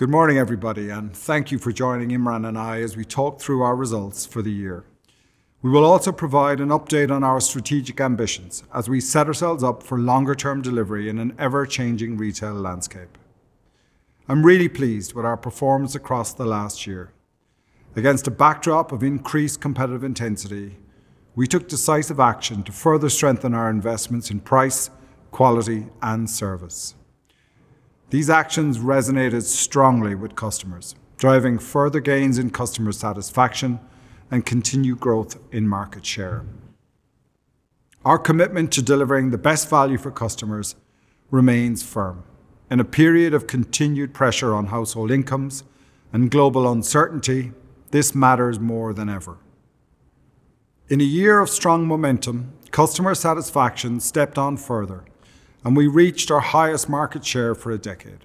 Good morning, everybody, and thank you for joining Imran and me as we talk through our results for the year. We will also provide an update on our strategic ambitions as we set ourselves up for longer-term delivery in an ever-changing retail landscape. I'm really pleased with our performance across the last year. Against a backdrop of increased competitive intensity, we took decisive action to further strengthen our investments in price, quality, and service. These actions resonated strongly with customers, driving further gains in customer satisfaction and continued growth in market share. Our commitment to delivering the best value for customers remains firm. In a period of continued pressure on household incomes and global uncertainty, this matters more than ever. In a year of strong momentum, customer satisfaction stepped on further, and we reached our highest market share for a decade.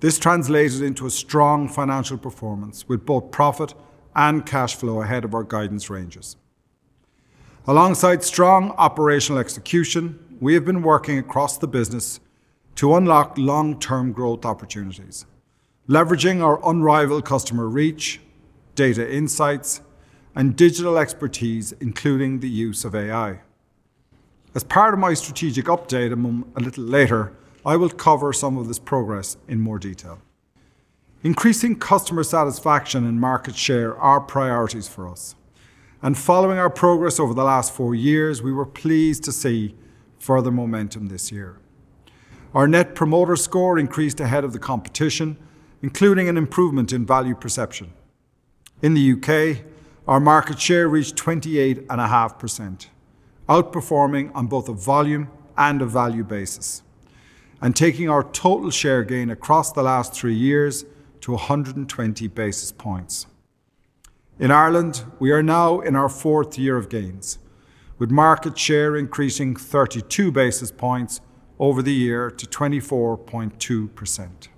This translated into a strong financial performance with both profit and cash flow ahead of our guidance ranges. Alongside strong operational execution, we have been working across the business to unlock long-term growth opportunities, leveraging our unrivaled customer reach, data insights, and digital expertise, including the use of AI. As part of my strategic update a little later, I will cover some of this progress in more detail. Increasing customer satisfaction and market share are priorities for us. Following our progress over the last four years, we were pleased to see further momentum this year. Our Net Promoter Score increased ahead of the competition, including an improvement in value perception. In the U.K., our market share reached 28.5%, outperforming on both a volume and a value basis and taking our total share gain across the last three years to 120 basis points. In Ireland, we are now in our fourth year of gains, with market share increasing 32 basis points over the year to 24.2%.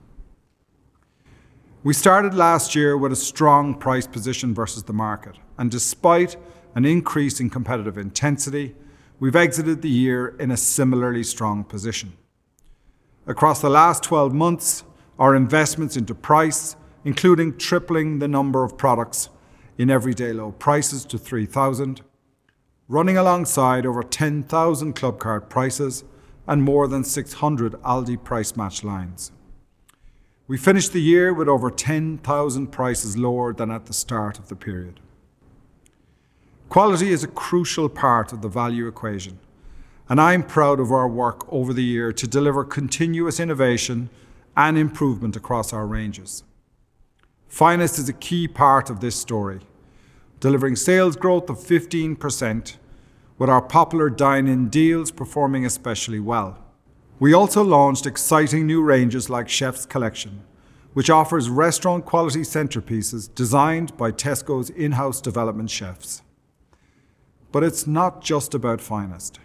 We started last year with a strong price position versus the market, and despite an increase in competitive intensity, we've exited the year in a similarly strong position. Across the last 12 months, our investments into price, including tripling the number of products in everyday low prices to 3,000, running alongside over 10,000 Clubcard prices and more than 600 Aldi Price Match lines. We finished the year with over 10,000 prices lower than at the start of the period. Quality is a crucial part of the value equation, and I am proud of our work over the year to deliver continuous innovation and improvement across our ranges. Finest is a key part of this story, delivering sales growth of 15% with our popular dine-in deals performing especially well. We also launched exciting new ranges like Chef's Collection, which offers restaurant-quality centerpieces designed by Tesco's in-house development chefs. It's not just about Finest.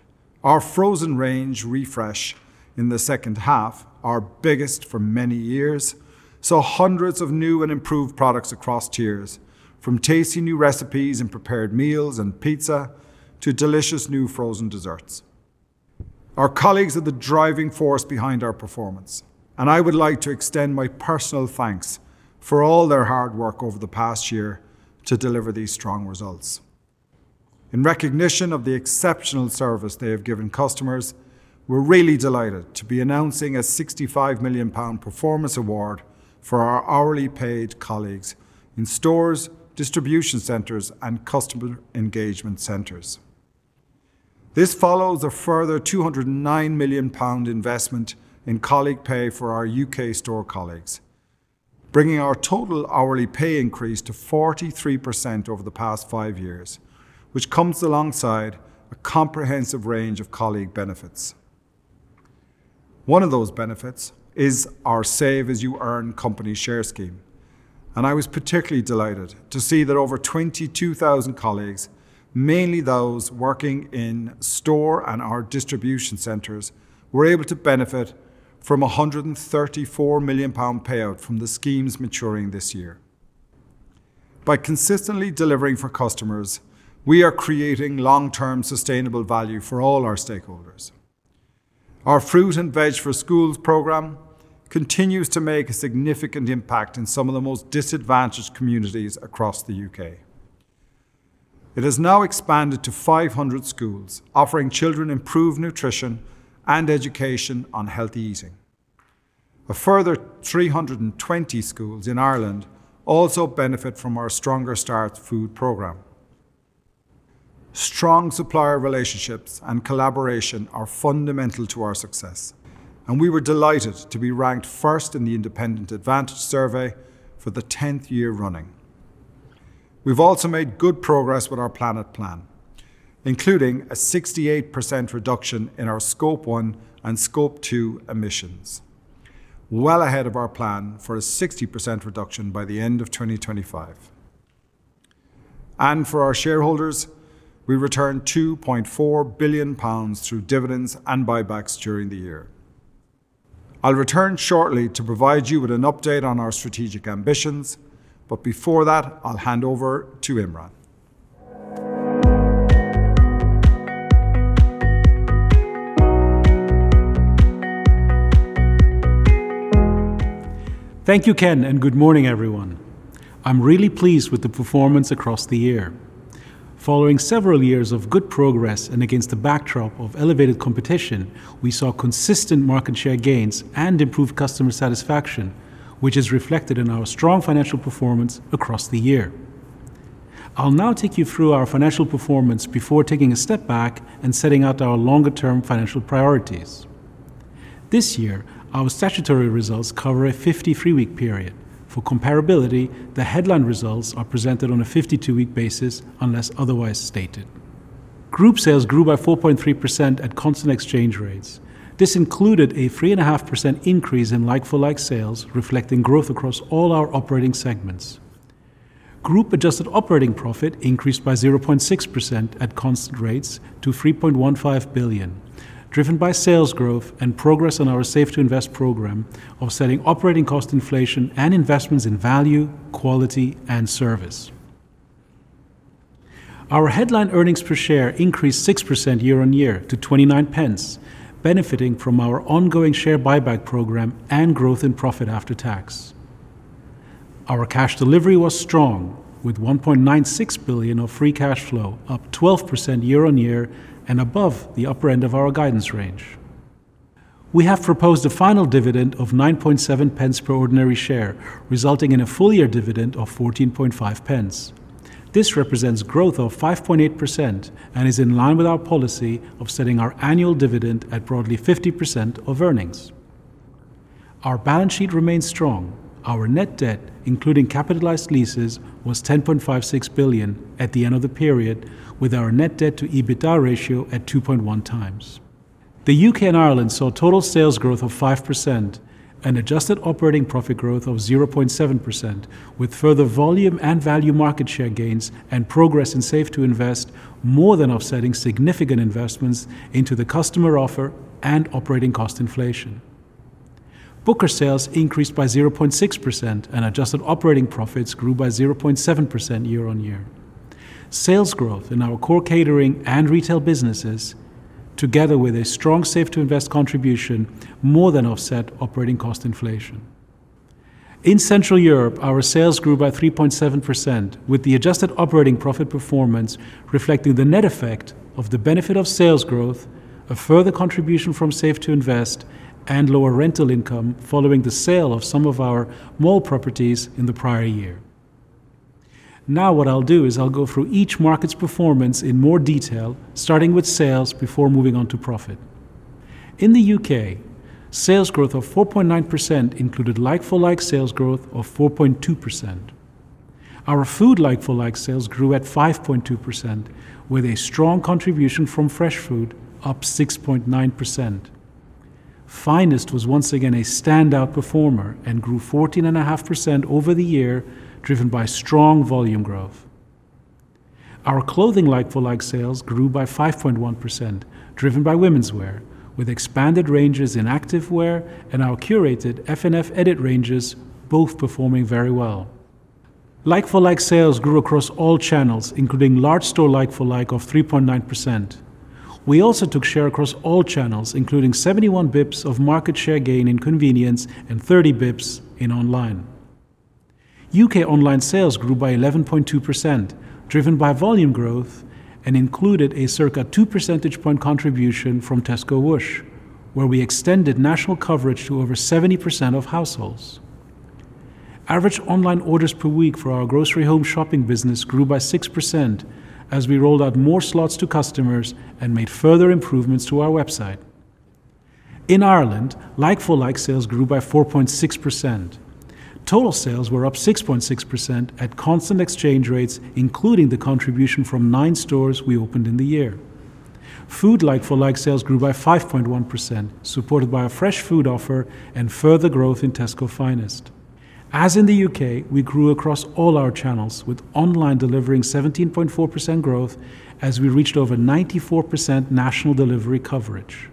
Our frozen range refresh in the second half, our biggest for many years, saw hundreds of new and improved products across tiers, from tasty new recipes and prepared meals and pizza to delicious new frozen desserts. Our colleagues are the driving force behind our performance, and I would like to extend my personal thanks for all their hard work over the past year to deliver these strong results. In recognition of the exceptional service they have given customers, we're really delighted to be announcing a 65 million pound performance award for our hourly paid colleagues in stores, distribution centers, and customer engagement centers. This follows a further 209 million pound investment in colleague pay for our U.K. store colleagues, bringing our total hourly pay increase to 43% over the past five years, which comes alongside a comprehensive range of colleague benefits. One of those benefits is our Save As You Earn company share scheme, and I was particularly delighted to see that over 22,000 colleagues, mainly those working in store and our distribution centers, were able to benefit from a 134 million pound payout from the schemes maturing this year. By consistently delivering for customers, we are creating long-term sustainable value for all our stakeholders. Our Fruit & Veg for Schools programme continues to make a significant impact in some of the most disadvantaged communities across the U.K. It has now expanded to 500 schools, offering children improved nutrition and education on healthy eating. A further 320 schools in Ireland also benefit from our Stronger Starts food programme. Strong supplier relationships and collaboration are fundamental to our success, and we were delighted to be ranked first in the Independent Advantage survey for the 10th year running. We've also made good progress with our Planet Plan, including a 68% reduction in our Scope 1 and Scope 2 emissions, well ahead of our plan for a 60% reduction by the end of 2025. For our shareholders, we returned 2.4 billion pounds through dividends and buybacks during the year. I'll return shortly to provide you with an update on our strategic ambitions, but before that, I'll hand over to Imran. Thank you, Ken, and good morning, everyone. I'm really pleased with the performance across the year. Following several years of good progress and against the backdrop of elevated competition, we saw consistent market share gains and improved customer satisfaction, which is reflected in our strong financial performance across the year. I'll now take you through our financial performance before taking a step back and setting out our longer-term financial priorities. This year, our statutory results cover a 53-week period. For comparability, the headline results are presented on a 52-week basis unless otherwise stated. Group sales grew by 4.3% at constant exchange rates. This included a 3.5% increase in like-for-like sales, reflecting growth across all our operating segments. Group adjusted operating profit increased by 0.6% at constant rates to 3.15 billion, driven by sales growth and progress on our Save to Invest programme, offsetting operating cost inflation and investments in value, quality, and service. Our headline earnings per share increased 6% year-on-year to 0.29, benefiting from our ongoing share buyback program and growth in profit after tax. Our cash delivery was strong, with 1.96 billion of free cash flow up 12% year-on-year and above the upper end of our guidance range. We have proposed a final dividend of 0.097 per ordinary share, resulting in a full-year dividend of 0.145. This represents growth of 5.8% and is in line with our policy of setting our annual dividend at broadly 50% of earnings. Our balance sheet remains strong. Our net debt, including capitalized leases, was 10.56 billion at the end of the period, with our net debt to EBITDA ratio at 2.1x. The U.K. and Ireland saw total sales growth of 5% and adjusted operating profit growth of 0.7%, with further volume and value market share gains and progress in Save to Invest more than offsetting significant investments into the customer offer and operating cost inflation. Booker sales increased by 0.6% and adjusted operating profits grew by 0.7% year-on-year. Sales growth in our core catering and retail businesses, together with a strong Save to Invest contribution, more than offset operating cost inflation. In Central Europe, our sales grew by 3.7%, with the adjusted operating profit performance reflecting the net effect of the benefit of sales growth, a further contribution from Save to Invest, and lower rental income following the sale of some of our mall properties in the prior year. Now what I'll do is I'll go through each market's performance in more detail, starting with sales before moving on to profit. In the U.K., sales growth of 4.9% included like-for-like sales growth of 4.2%. Our food like-for-like sales grew at 5.2%, with a strong contribution from fresh food up 6.9%. Finest was once again a standout performer and grew 14.5% over the year, driven by strong volume growth. Our clothing like-for-like sales grew by 5.1%, driven by womenswear, with expanded ranges in activewear and our curated F&F Edit ranges both performing very well. Like-for-like sales grew across all channels, including large store like-for-like of 3.9%. We also took share across all channels, including 71 basis points of market share gain in convenience and 30 basis points in online. U.K. online sales grew by 11.2%, driven by volume growth, and included a circa two percentage point contribution from Tesco Whoosh, where we extended national coverage to over 70% of households. Average online orders per week for our grocery home shopping business grew by 6% as we rolled out more slots to customers and made further improvements to our website. In Ireland, like-for-like sales grew by 4.6%. Total sales were up 6.6% at constant exchange rates, including the contribution from nine stores we opened in the year. Food like-for-like sales grew by 5.1%, supported by a fresh food offer and further growth in Tesco Finest. As in the U.K., we grew across all our channels, with online delivering 17.4% growth as we reached over 94% national delivery coverage.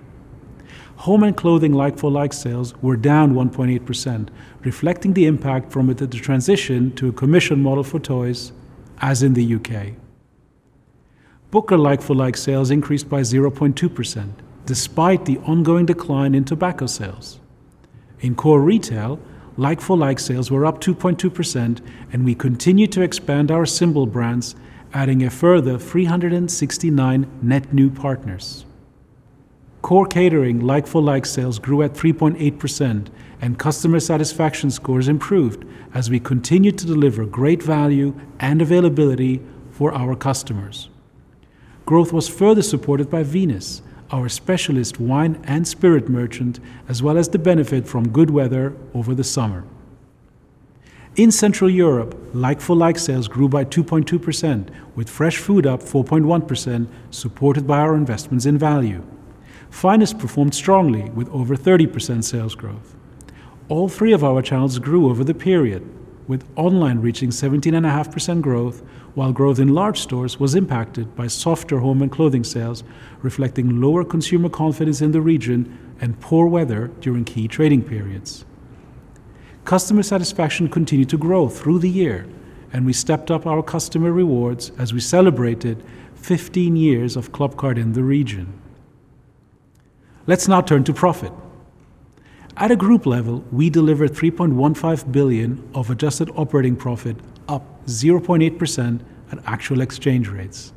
Home and clothing like-for-like sales were down 1.8%, reflecting the impact from the transition to a commission model for toys as in the U.K. Booker like-for-like sales increased by 0.2%, despite the ongoing decline in tobacco sales. In core retail, like-for-like sales were up 2.2%, and we continued to expand our symbol brands, adding a further 369 net new partners. Core catering like-for-like sales grew at 3.8%, and customer satisfaction scores improved as we continued to deliver great value and availability for our customers. Growth was further supported by Venus, our specialist wine and spirit merchant, as well as the benefit from good weather over the summer. In Central Europe, like-for-like sales grew by 2.2%, with fresh food up 4.1%, supported by our investments in value. Finest performed strongly with over 30% sales growth. All three of our channels grew over the period, with online reaching 17.5% growth, while growth in large stores was impacted by softer home and clothing sales, reflecting lower consumer confidence in the region and poor weather during key trading periods. Customer satisfaction continued to grow through the year, and we stepped up our customer rewards as we celebrated 15 years of Clubcard in the region. Let's now turn to profit. At a group level, we delivered 3.15 billion of adjusted operating profit, up 0.8% at actual exchange rates.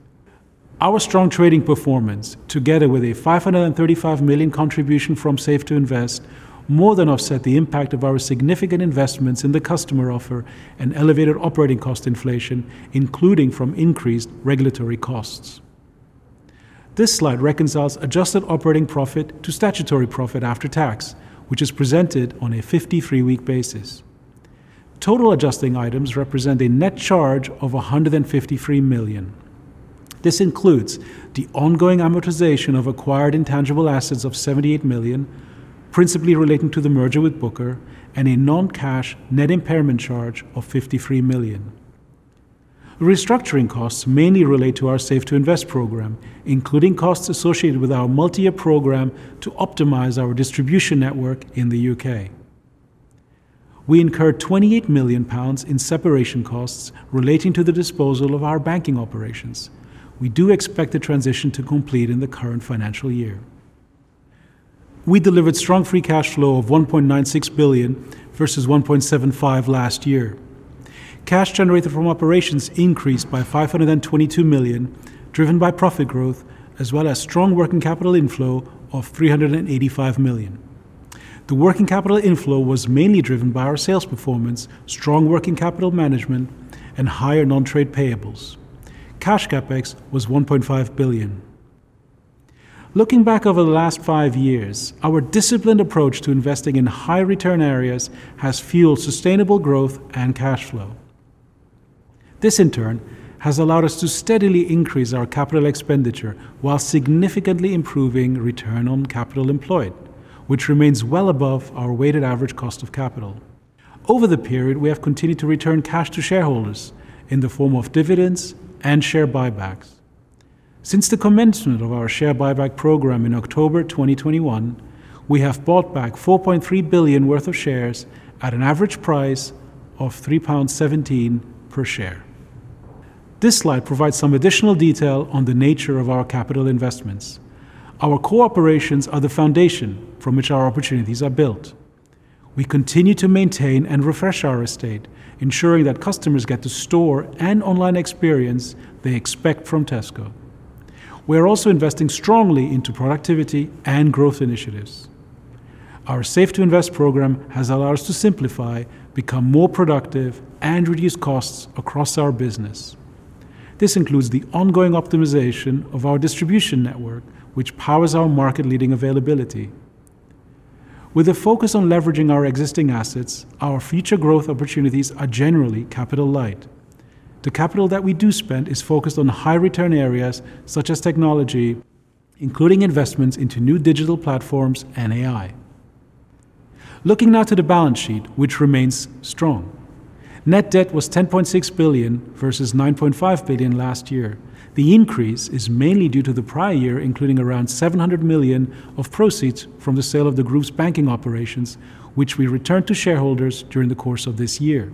Our strong trading performance, together with a 535 million contribution from Save to Invest, more than offset the impact of our significant investments in the customer offer and elevated operating cost inflation, including from increased regulatory costs. This slide reconciles adjusted operating profit to statutory profit after tax, which is presented on a 53-week basis. Total adjusting items represent a net charge of 153 million. This includes the ongoing amortization of acquired intangible assets of 78 million, principally relating to the merger with Booker, and a non-cash net impairment charge of 53 million. Restructuring costs mainly relate to our Save to Invest programme, including costs associated with our multi-year program to optimize our distribution network in the U.K. We incurred 28 million pounds in separation costs relating to the disposal of our banking operations. We do expect the transition to complete in the current financial year. We delivered strong free cash flow of 1.96 billion versus 1.75 billion last year. Cash generated from operations increased by 522 million, driven by profit growth as well as strong working capital inflow of 385 million. The working capital inflow was mainly driven by our sales performance, strong working capital management, and higher non-trade payables. Cash CapEx was 1.5 billion. Looking back over the last five years, our disciplined approach to investing in high-return areas has fueled sustainable growth and cash flow. This, in turn, has allowed us to steadily increase our capital expenditure while significantly improving return on capital employed, which remains well above our weighted average cost of capital. Over the period, we have continued to return cash to shareholders in the form of dividends and share buybacks. Since the commencement of our share buyback program in October 2021, we have bought back 4.3 billion worth of shares at an average price of 3.17 pounds per share. This slide provides some additional detail on the nature of our capital investments. Our core operations are the foundation from which our opportunities are built. We continue to maintain and refresh our estate, ensuring that customers get the store and online experience they expect from Tesco. We are also investing strongly into productivity and growth initiatives. Our Save to Invest programme has allowed us to simplify, become more productive, and reduce costs across our business. This includes the ongoing optimization of our distribution network, which powers our market-leading availability. With a focus on leveraging our existing assets, our future growth opportunities are generally capital light. The capital that we do spend is focused on high-return areas such as technology, including investments into new digital platforms and AI. Looking now to the balance sheet, which remains strong. Net debt was 10.6 billion versus 9.5 billion last year. The increase is mainly due to the prior year including around 700 million of proceeds from the sale of the group's banking operations, which we returned to shareholders during the course of this year.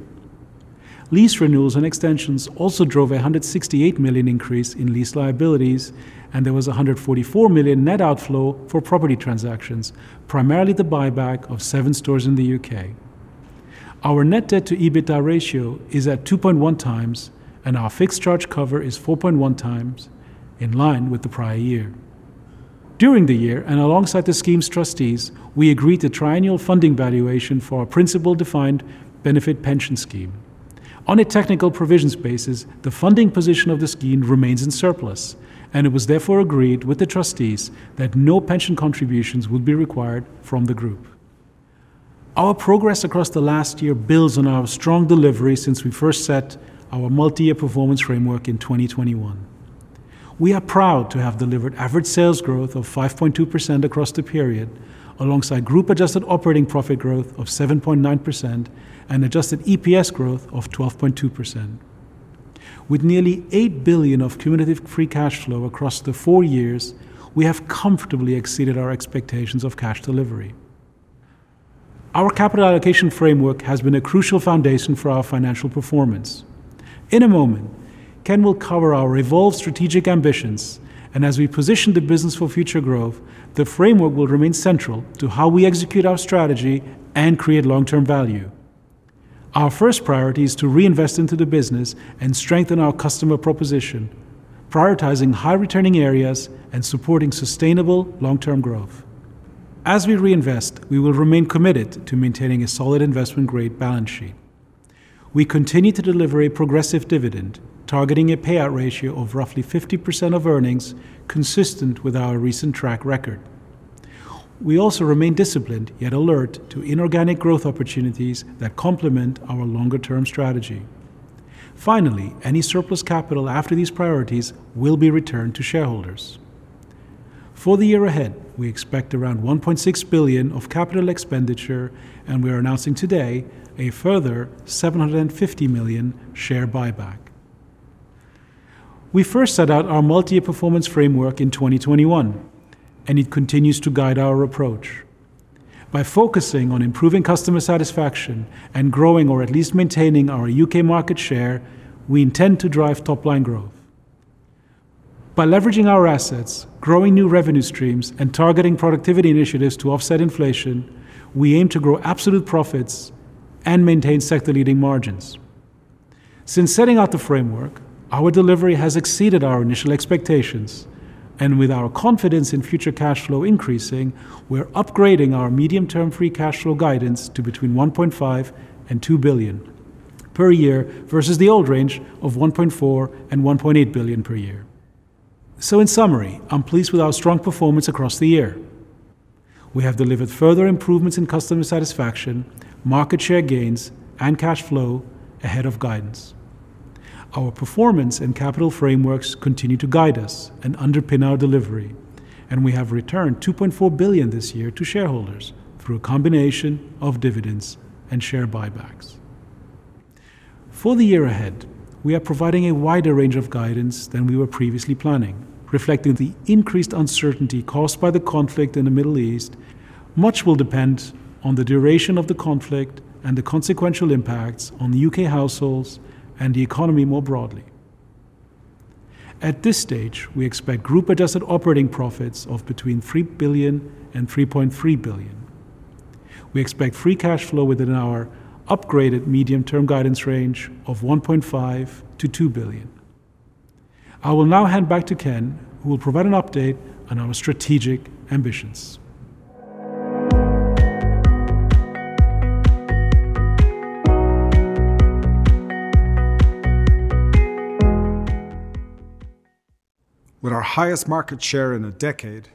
Lease renewals and extensions also drove 168 million increase in lease liabilities, and there was 144 million net outflow for property transactions, primarily the buyback of seven stores in the U.K. Our net debt to EBITDA ratio is at 2.1x, and our fixed charge cover is 4.1x, in line with the prior year. During the year, alongside the scheme's trustees, we agreed to triennial funding valuation for our principal defined benefit pension scheme. On a technical provisions basis, the funding position of the scheme remains in surplus, and it was therefore agreed with the trustees that no pension contributions would be required from the group. Our progress across the last year builds on our strong delivery since we first set our multi-year performance framework in 2021. We are proud to have delivered average sales growth of 5.2% across the period, alongside group adjusted operating profit growth of 7.9% and adjusted EPS growth of 12.2%. With nearly 8 billion of cumulative free cash flow across the four years, we have comfortably exceeded our expectations of cash delivery. Our capital allocation framework has been a crucial foundation for our financial performance. In a moment, Ken will cover our evolved strategic ambitions, and as we position the business for future growth, the framework will remain central to how we execute our strategy and create long-term value. Our first priority is to reinvest into the business and strengthen our customer proposition, prioritizing high-returning areas and supporting sustainable long-term growth. As we reinvest, we will remain committed to maintaining a solid investment-grade balance sheet. We continue to deliver a progressive dividend, targeting a payout ratio of roughly 50% of earnings, consistent with our recent track record. We also remain disciplined, yet alert to inorganic growth opportunities that complement our longer-term strategy. Finally, any surplus capital after these priorities will be returned to shareholders. For the year ahead, we expect around 1.6 billion of capital expenditure, and we are announcing today a further 750 million share buyback. We first set out our multi-year performance framework in 2021, and it continues to guide our approach. By focusing on improving customer satisfaction and growing, or at least maintaining our U.K. market share, we intend to drive top-line growth. By leveraging our assets, growing new revenue streams, and targeting productivity initiatives to offset inflation, we aim to grow absolute profits and maintain sector-leading margins. Since setting out the framework, our delivery has exceeded our initial expectations. With our confidence in future cash flow increasing, we're upgrading our medium-term free cash flow guidance to between 1.5 billion and 2 billion per year versus the old range of 1.4 billion and 1.8 billion per year. In summary, I'm pleased with our strong performance across the year. We have delivered further improvements in customer satisfaction, market share gains, and cash flow ahead of guidance. Our performance and capital frameworks continue to guide us and underpin our delivery, and we have returned 2.4 billion this year to shareholders through a combination of dividends and share buybacks. For the year ahead, we are providing a wider range of guidance than we were previously planning, reflecting the increased uncertainty caused by the conflict in the Middle East. Much will depend on the duration of the conflict and the consequential impacts on U.K. households and the economy more broadly. At this stage, we expect group-adjusted operating profits of between 3 billion and 3.3 billion. We expect free cash flow within our upgraded medium-term guidance range of 1.5 billion-2 billion. I will now hand back to Ken, who will provide an update on our strategic ambitions. With our highest market share in a decade,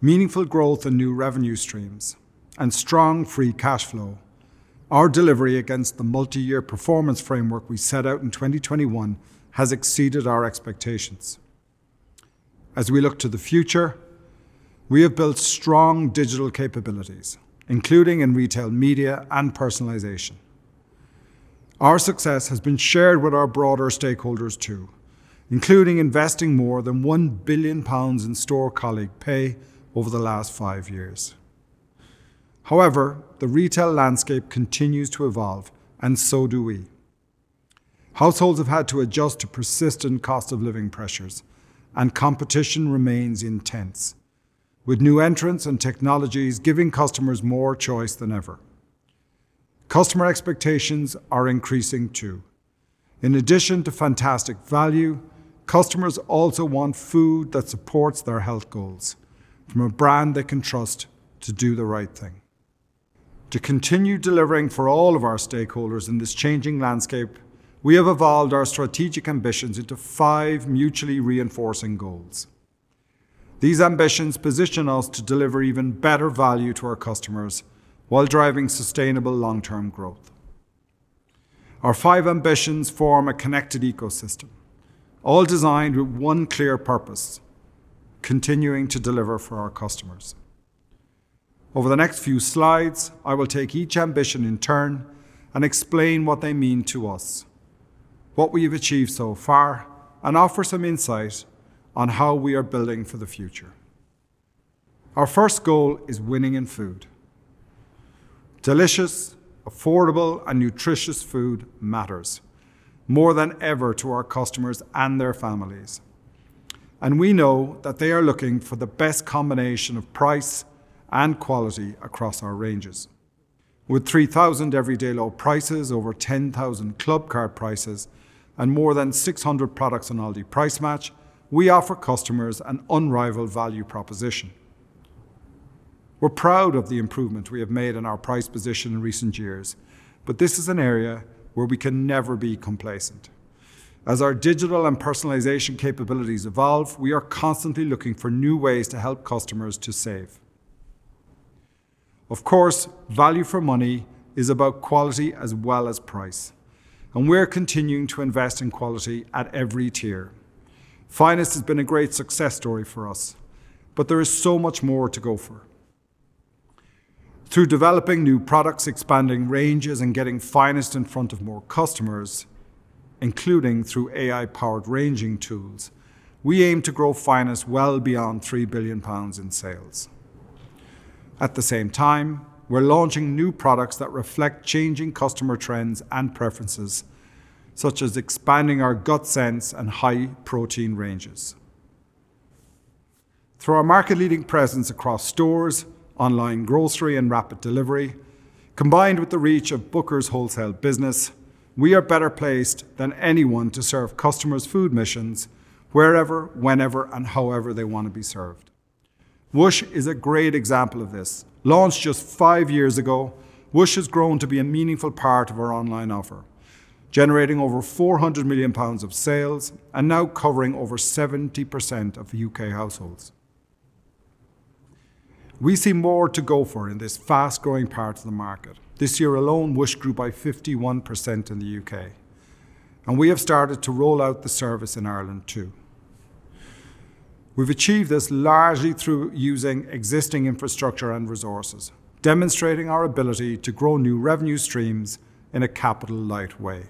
meaningful growth and new revenue streams, and strong free cash flow, our delivery against the multi-year performance framework we set out in 2021 has exceeded our expectations. As we look to the future, we have built strong digital capabilities, including in retail media and personalization. Our success has been shared with our broader stakeholders too, including investing more than 1 billion pounds in store colleague pay over the last five years. However, the retail landscape continues to evolve and so do we. Households have had to adjust to persistent cost of living pressures and competition remains intense, with new entrants and technologies giving customers more choice than ever. Customer expectations are increasing too. In addition to fantastic value, customers also want food that supports their health goals from a brand they can trust to do the right thing. To continue delivering for all of our stakeholders in this changing landscape, we have evolved our strategic ambitions into five mutually reinforcing goals. These ambitions position us to deliver even better value to our customers while driving sustainable long-term growth. Our five ambitions form a connected ecosystem, all designed with one clear purpose, continuing to deliver for our customers. Over the next few slides, I will take each ambition in turn and explain what they mean to us, what we have achieved so far, and offer some insight on how we are building for the future. Our first goal is winning in food. Delicious, affordable, and nutritious food matters more than ever to our customers and their families, and we know that they are looking for the best combination of price and quality across our ranges. With 3,000 everyday low prices, over 10,000 Clubcard prices, and more than 600 products on Aldi Price Match, we offer customers an unrivaled value proposition. We're proud of the improvement we have made in our price position in recent years, but this is an area where we can never be complacent. As our digital and personalization capabilities evolve, we are constantly looking for new ways to help customers to save. Of course, value for money is about quality as well as price, and we're continuing to invest in quality at every tier. Finest has been a great success story for us, but there is so much more to go for. Through developing new products, expanding ranges, and getting Finest in front of more customers, including through AI-powered ranging tools, we aim to grow Finest well beyond 3 billion pounds in sales. At the same time, we're launching new products that reflect changing customer trends and preferences, such as expanding our Gut Sense and high-protein ranges. Through our market-leading presence across stores, online grocery, and rapid delivery, combined with the reach of Booker's wholesale business, we are better placed than anyone to serve customers' food missions wherever, whenever, and however they want to be served. Whoosh is a great example of this. Launched just five years ago, Whoosh has grown to be a meaningful part of our online offer, generating over 400 million pounds of sales and now covering over 70% of U.K. households. We see more to go for in this fast-growing part of the market. This year alone, Whoosh grew by 51% in the U.K., and we have started to roll out the service in Ireland too. We've achieved this largely through using existing infrastructure and resources, demonstrating our ability to grow new revenue streams in a capital-light way.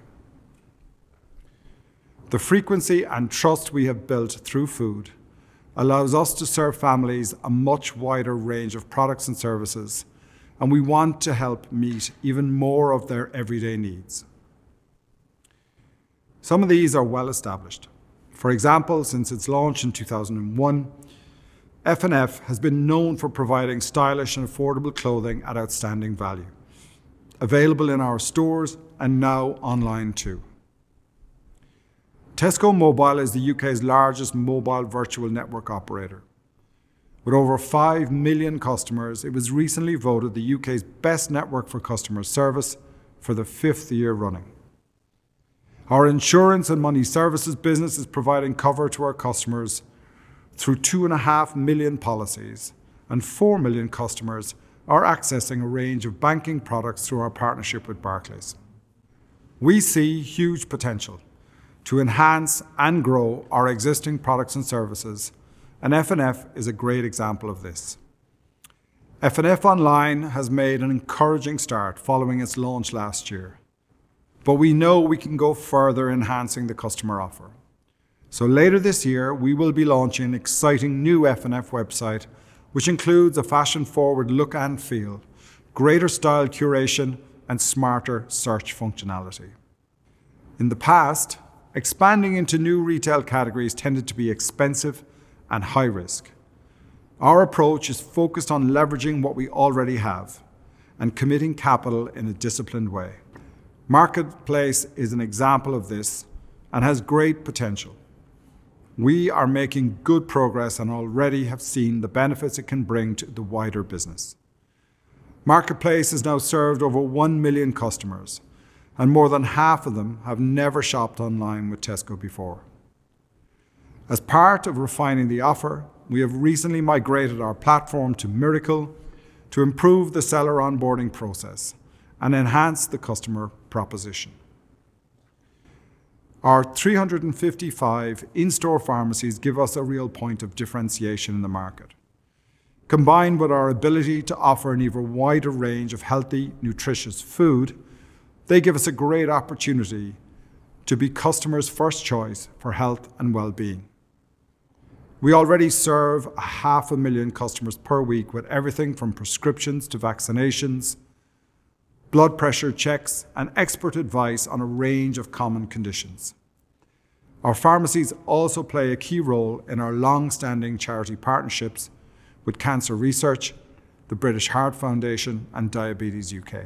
The frequency and trust we have built through food allows us to serve families a much wider range of products and services, and we want to help meet even more of their everyday needs. Some of these are well-established. For example, since its launch in 2001, F&F has been known for providing stylish and affordable clothing at outstanding value, available in our stores and now online too. Tesco Mobile is the U.K.'s largest mobile virtual network operator. With over 5 million customers, it was recently voted the U.K.'s best network for customer service for the fifth year running. Our insurance and money services business is providing cover to our customers through 2.5 million policies, and 4 million customers are accessing a range of banking products through our partnership with Barclays. We see huge potential to enhance and grow our existing products and services, and F&F is a great example of this. F&F online has made an encouraging start following its launch last year, but we know we can go further enhancing the customer offer. Later this year, we will be launching an exciting new F&F website, which includes a fashion-forward look and feel, greater style curation, and smarter search functionality. In the past, expanding into new retail categories tended to be expensive and high risk. Our approach is focused on leveraging what we already have and committing capital in a disciplined way. Marketplace is an example of this and has great potential. We are making good progress and already have seen the benefits it can bring to the wider business. Marketplace has now served over 1 million customers, and more than half of them have never shopped online with Tesco before. As part of refining the offer, we have recently migrated our platform to Mirakl to improve the seller onboarding process and enhance the customer proposition. Our 355 in-store pharmacies give us a real point of differentiation in the market. Combined with our ability to offer an even wider range of healthy, nutritious food, they give us a great opportunity to be customers' first choice for health and wellbeing. We already serve 500,000 customers per week with everything from prescriptions to vaccinations, blood pressure checks, and expert advice on a range of common conditions. Our pharmacies also play a key role in our long-standing charity partnerships with Cancer Research, the British Heart Foundation, and Diabetes UK.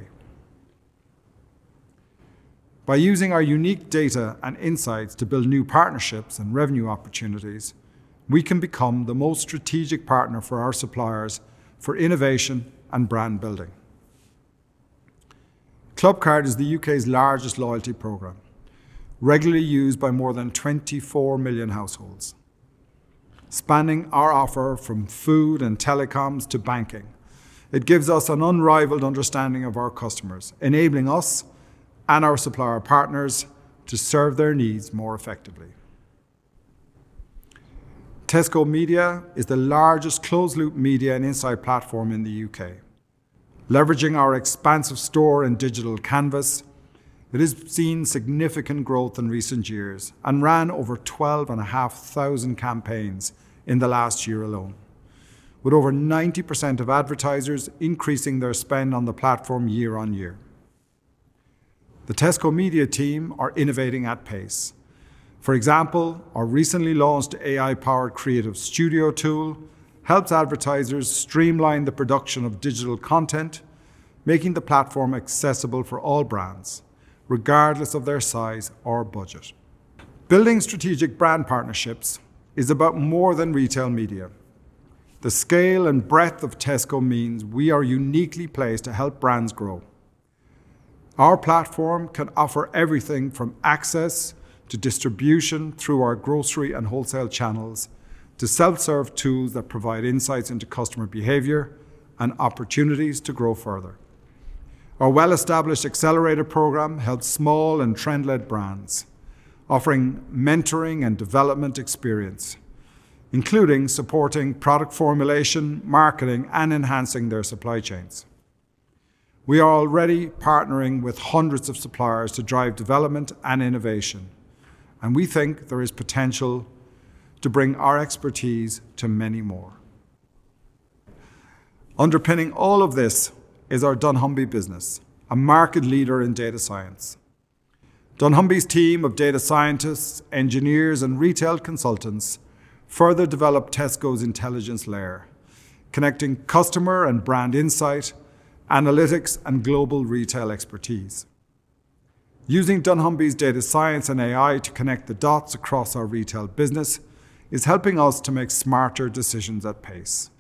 By using our unique data and insights to build new partnerships and revenue opportunities, we can become the most strategic partner for our suppliers for innovation and brand building. Clubcard is the U.K.'s largest loyalty program, regularly used by more than 24 million households. Spanning our offer from food and telecoms to banking, it gives us an unrivaled understanding of our customers, enabling us and our supplier partners to serve their needs more effectively. Tesco Media is the largest closed-loop media and insight platform in the U.K. Leveraging our expansive store and digital canvas, it has seen significant growth in recent years and ran over 12,500 campaigns in the last year alone, with over 90% of advertisers increasing their spend on the platform year on year. The Tesco Media team are innovating at pace. For example, our recently launched AI-powered creative studio tool helps advertisers streamline the production of digital content, making the platform accessible for all brands, regardless of their size or budget. Building strategic brand partnerships is about more than retail media. The scale and breadth of Tesco means we are uniquely placed to help brands grow. Our platform can offer everything from access to distribution through our grocery and wholesale channels to self-serve tools that provide insights into customer behavior and opportunities to grow further. Our well-established accelerator program helps small and trend-led brands, offering mentoring and development experience, including supporting product formulation, marketing, and enhancing their supply chains. We are already partnering with hundreds of suppliers to drive development and innovation, and we think there is potential to bring our expertise to many more. Underpinning all of this is our dunnhumby business, a market leader in data science. dunnhumby's team of data scientists, engineers, and retail consultants further develop Tesco's intelligence layer, connecting customer and brand insight, analytics, and global retail expertise. Using dunnhumby's data science and AI to connect the dots across our retail business is helping us to make smarter decisions at pace.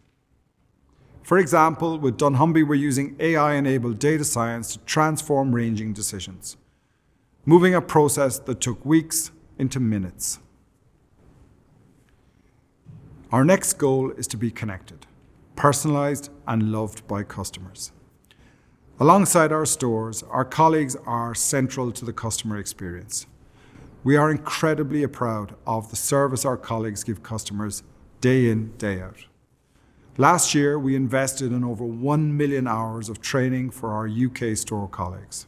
For example, with dunnhumby, we're using AI-enabled data science to transform ranging decisions, moving a process that took weeks into minutes. Our next goal is to be connected, personalized, and loved by customers. Alongside our stores, our colleagues are central to the customer experience. We are incredibly proud of the service our colleagues give customers day in, day out. Last year, we invested in over 1 million hours of training for our U.K. store colleagues.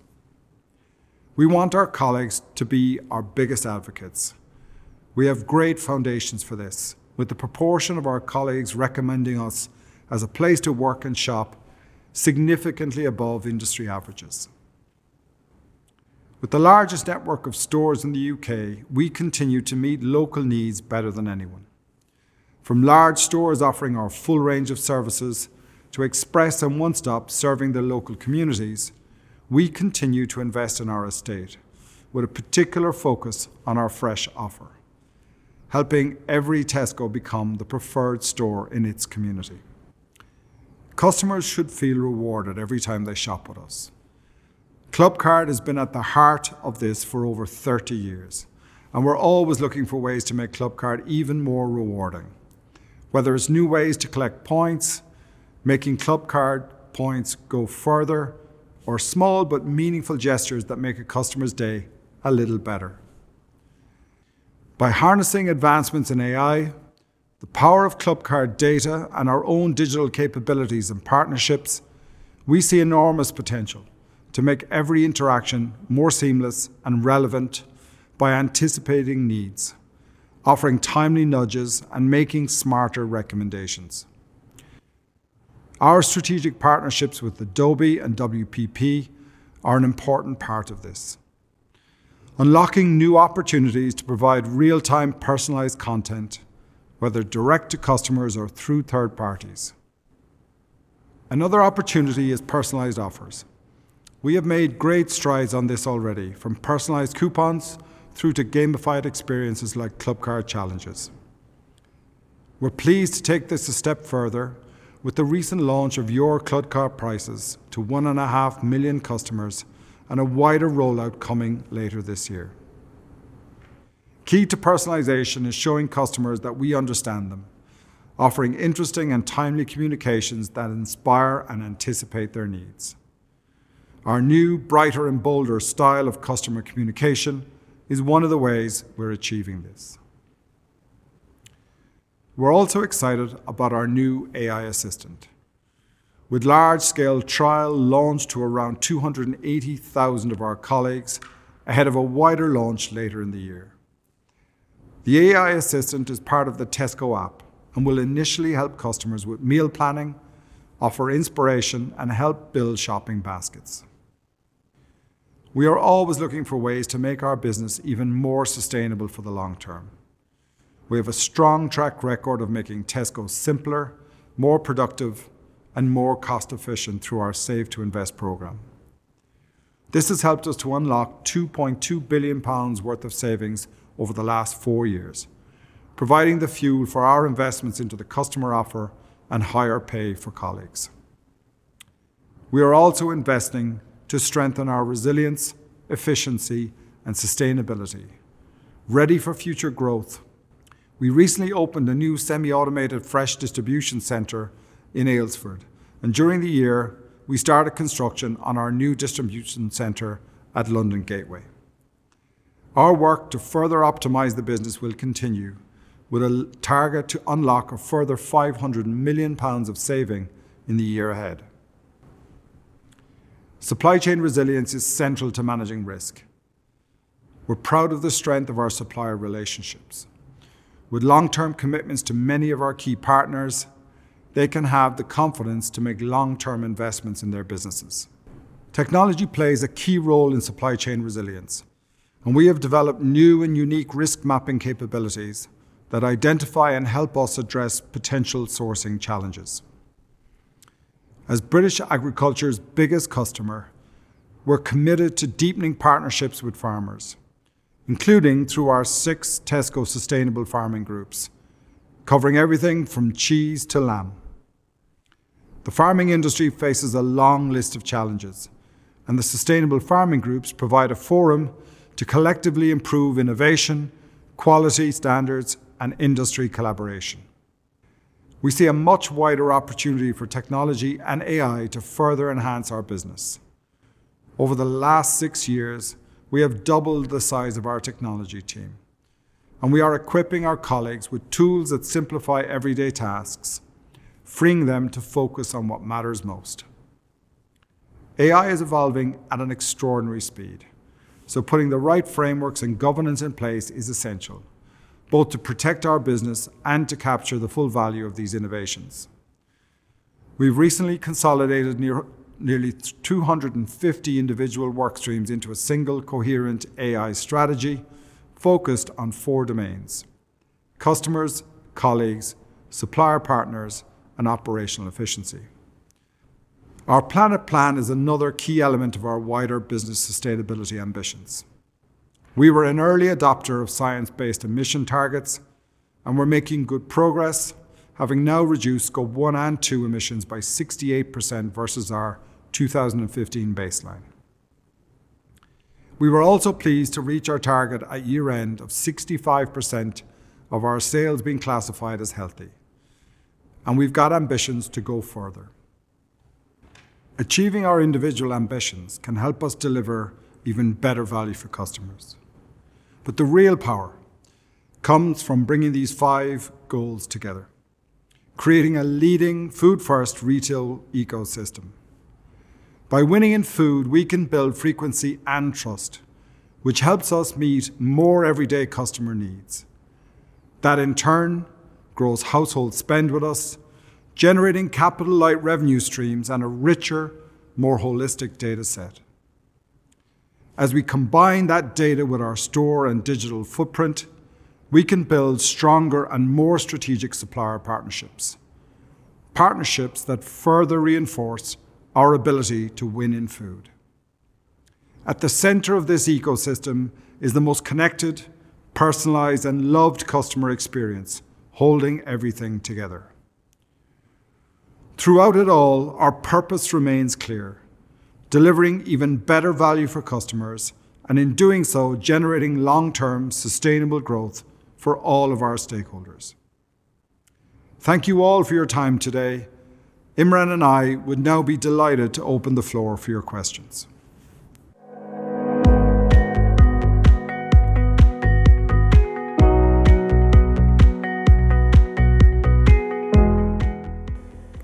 We want our colleagues to be our biggest advocates. We have great foundations for this, with the proportion of our colleagues recommending us as a place to work and shop significantly above industry averages. With the largest network of stores in the U.K., we continue to meet local needs better than anyone. From large stores offering our full range of services to Express and One Stop serving the local communities, we continue to invest in our estate with a particular focus on our fresh offer, helping every Tesco become the preferred store in its community. Customers should feel rewarded every time they shop with us. Clubcard has been at the heart of this for over 30 years, and we're always looking for ways to make Clubcard even more rewarding, whether it's new ways to collect points, making Clubcard points go further, or small but meaningful gestures that make a customer's day a little better. By harnessing advancements in AI, the power of Clubcard data, and our own digital capabilities and partnerships, we see enormous potential to make every interaction more seamless and relevant by anticipating needs, offering timely nudges, and making smarter recommendations. Our strategic partnerships with Adobe and WPP are an important part of this, unlocking new opportunities to provide real-time personalized content, whether direct to customers or through third parties. Another opportunity is personalized offers. We have made great strides on this already, from personalized coupons through to gamified experiences like Clubcard Challenges. We're pleased to take this a step further with the recent launch of Your Clubcard Prices to 1.5 million customers and a wider rollout coming later this year. Key to personalization is showing customers that we understand them, offering interesting and timely communications that inspire and anticipate their needs. Our new brighter and bolder style of customer communication is one of the ways we're achieving this. We're also excited about our new AI assistant with large-scale trial launched to around 280,000 of our colleagues ahead of a wider launch later in the year. The AI assistant is part of the Tesco app and will initially help customers with meal planning, offer inspiration, and help build shopping baskets. We are always looking for ways to make our business even more sustainable for the long term. We have a strong track record of making Tesco simpler, more productive, and more cost-efficient through our Save to Invest programme. This has helped us to unlock 2.2 billion pounds worth of savings over the last four years, providing the fuel for our investments into the customer offer and higher pay for colleagues. We are also investing to strengthen our resilience, efficiency, and sustainability. Ready for future growth, we recently opened a new semi-automated fresh distribution center in Aylesford, and during the year, we started construction on our new distribution center at London Gateway. Our work to further optimize the business will continue with a target to unlock a further 500 million pounds of saving in the year ahead. Supply chain resilience is central to managing risk. We're proud of the strength of our supplier relationships. With long-term commitments to many of our key partners, they can have the confidence to make long-term investments in their businesses. Technology plays a key role in supply chain resilience, and we have developed new and unique risk mapping capabilities that identify and help us address potential sourcing challenges. As British agriculture's biggest customer, we're committed to deepening partnerships with farmers, including through our six Tesco Sustainable Farming Groups, covering everything from cheese to lamb. The farming industry faces a long list of challenges, and the Sustainable Farming Groups provide a forum to collectively improve innovation, quality standards, and industry collaboration. We see a much wider opportunity for technology and AI to further enhance our business. Over the last six years, we have doubled the size of our technology team, and we are equipping our colleagues with tools that simplify everyday tasks, freeing them to focus on what matters most. AI is evolving at an extraordinary speed, so putting the right frameworks and governance in place is essential, both to protect our business and to capture the full value of these innovations. We've recently consolidated nearly 250 individual work streams into a single coherent AI strategy focused on four domains, customers, colleagues, supplier partners, and operational efficiency. Our Planet Plan is another key element of our wider business sustainability ambitions. We were an early adopter of science-based emission targets, and we're making good progress, having now reduced Scope 1 and 2 emissions by 68% versus our 2015 baseline. We were also pleased to reach our target at year-end of 65% of our sales being classified as healthy, and we've got ambitions to go further. Achieving our individual ambitions can help us deliver even better value for customers. The real power comes from bringing these five goals together, creating a leading food-first retail ecosystem. By winning in food, we can build frequency and trust, which helps us meet more everyday customer needs. That, in turn, grows household spend with us, generating capital-light revenue streams and a richer, more holistic data set. As we combine that data with our store and digital footprint, we can build stronger and more strategic supplier partnerships. Partnerships that further reinforce our ability to win in food. At the center of this ecosystem is the most connected, personalized, and loved customer experience, holding everything together. Throughout it all, our purpose remains clear: delivering even better value for customers, and in doing so, generating long-term sustainable growth for all of our stakeholders. Thank you all for your time today. Imran and I would now be delighted to open the floor for your questions.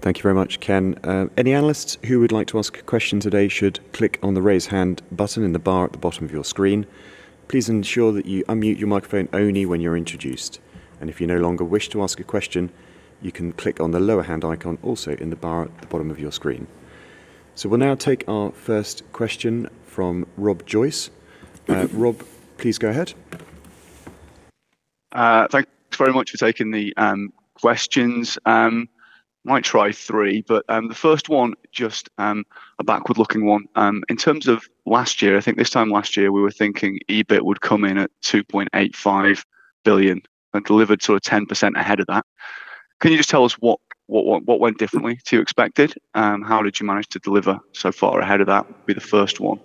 Thank you very much, Ken. Any analysts who would like to ask a question today should click on the raise hand button in the bar at the bottom of your screen. Please ensure that you unmute your microphone only when you're introduced. If you no longer wish to ask a question, you can click on the lower hand icon, also in the bar at the bottom of your screen. We'll now take our first question from Rob Joyce. Rob, please go ahead. Thanks very much for taking the questions. I might try three, but the first one, just a backward-looking one. In terms of last year, I think this time last year, we were thinking EBIT would come in at 2.85 billion and delivered sort of 10% ahead of that. Can you just tell us what went differently to expected? How did you manage to deliver so far ahead of that? Would be the first one.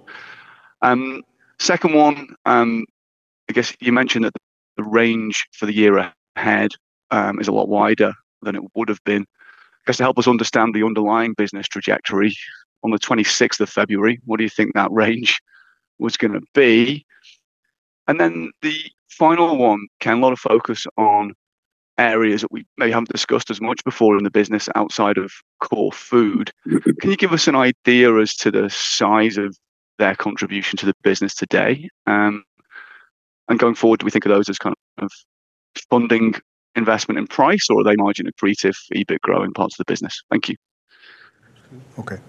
Second one, I guess you mentioned that the range for the year ahead is a lot wider than it would've been. I guess to help us understand the underlying business trajectory on the 26th of February, what do you think that range was going to be? The final one, Ken, a lot of focus on areas that we maybe haven't discussed as much before in the business outside of core food. Can you give us an idea as to the size of their contribution to the business today? Going forward, do we think of those as kind of funding investment in price, or are they margin accretive, EBIT growing parts of the business? Thank you. Okay.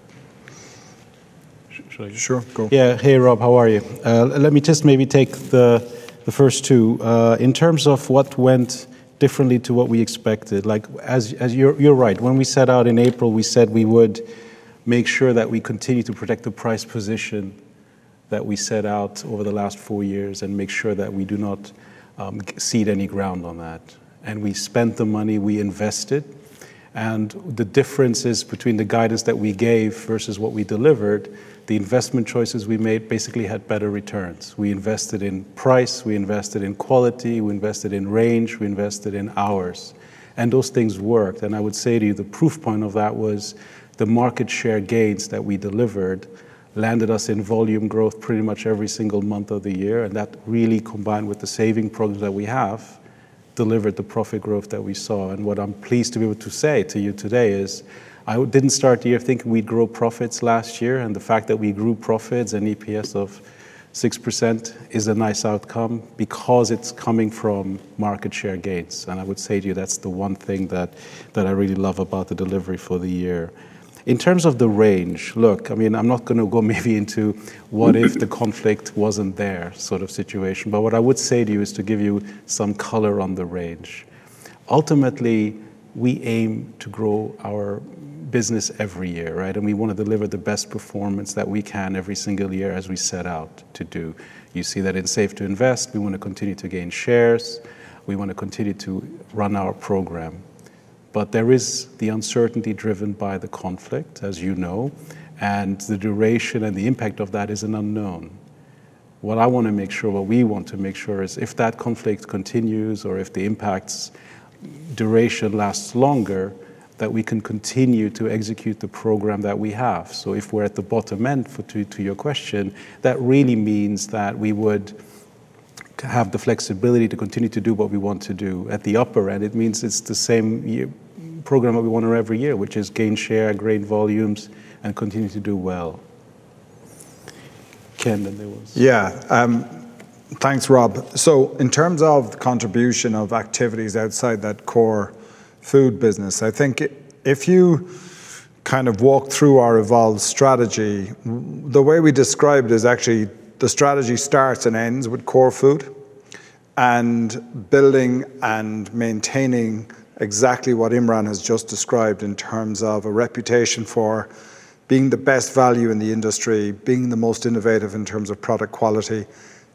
Should I? Sure, go. Yeah. Hey, Rob. How are you? Let me just maybe take the first two. In terms of what went differently to what we expected. You're right. When we set out in April, we said we would make sure that we continue to protect the price position that we set out over the last four years and make sure that we do not cede any ground on that. We spent the money, we invested, and the differences between the guidance that we gave versus what we delivered, the investment choices we made basically had better returns. We invested in price, we invested in quality, we invested in range, we invested in hours, and those things worked. I would say to you the proof point of that was the market share gains that we delivered landed us in volume growth pretty much every single month of the year. That really combined with the saving problems that we have, delivered the profit growth that we saw. What I'm pleased to be able to say to you today is, I didn't start the year thinking we'd grow profits last year, and the fact that we grew profits and EPS of 6% is a nice outcome because it's coming from market share gains. I would say to you, that's the one thing that I really love about the delivery for the year. In terms of the range. Look, I'm not going to go maybe into what if the conflict wasn't there sort of situation, but what I would say to you is to give you some color on the range. Ultimately, we aim to grow our business every year, right? We want to deliver the best performance that we can every single year as we set out to do. You see that in Save to Invest. We want to continue to gain shares. We want to continue to run our program. There is the uncertainty driven by the conflict, as you know, and the duration and the impact of that is an unknown. What I want to make sure, what we want to make sure is if that conflict continues or if the impact's duration lasts longer, that we can continue to execute the program that we have. If we're at the bottom end, to your question, that really means that we would have the flexibility to continue to do what we want to do. At the upper end, it means it's the same program that we want every year, which is gain share, gain volumes, and continue to do well. Ken, and there was— Yeah. Thanks, Rob. In terms of contribution of activities outside that core food business, I think if you kind of walk through our evolved strategy, the way we described is actually the strategy starts and ends with core food and building and maintaining exactly what Imran has just described in terms of a reputation for being the best value in the industry, being the most innovative in terms of product quality.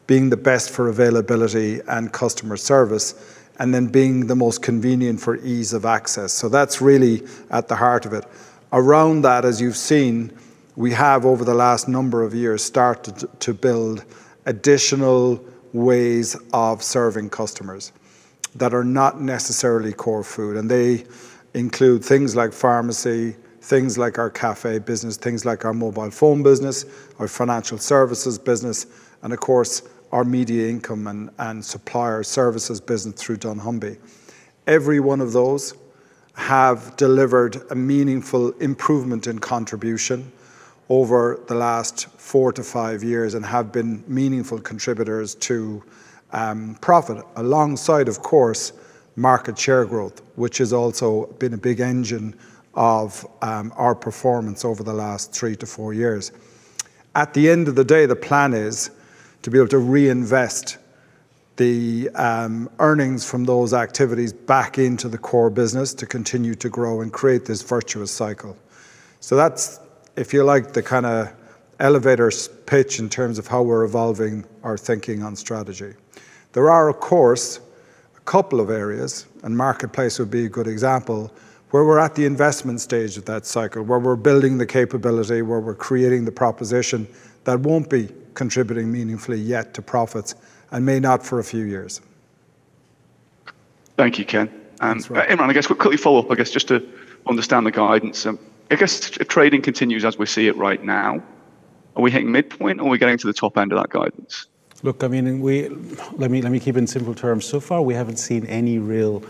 Being the best for availability and customer service, and then being the most convenient for ease of access. That's really at the heart of it. Around that, as you've seen, we have, over the last number of years, started to build additional ways of serving customers that are not necessarily core food. They include things like pharmacy, things like our cafe business, things like our mobile phone business, our financial services business, and of course, our media income and supplier services business through dunnhumby. Every one of those have delivered a meaningful improvement in contribution over the last four to five years and have been meaningful contributors to profit alongside, of course, market share growth, which has also been a big engine of our performance over the last three to four years. At the end of the day, the plan is to be able to reinvest the earnings from those activities back into the core business to continue to grow and create this virtuous cycle. So that's, if you like, the kind of elevator pitch in terms of how we're evolving our thinking on strategy. There are, of course, a couple of areas, and Marketplace would be a good example, where we're at the investment stage of that cycle, where we're building the capability, where we're creating the proposition that won't be contributing meaningfully yet to profits and may not for a few years. Thank you, Ken. That's right. Imran, I guess quickly follow up. I guess just to understand the guidance. I guess if trading continues as we see it right now, are we hitting midpoint or are we getting to the top end of that guidance? Look, let me keep it in simple terms. So far, we haven't seen any real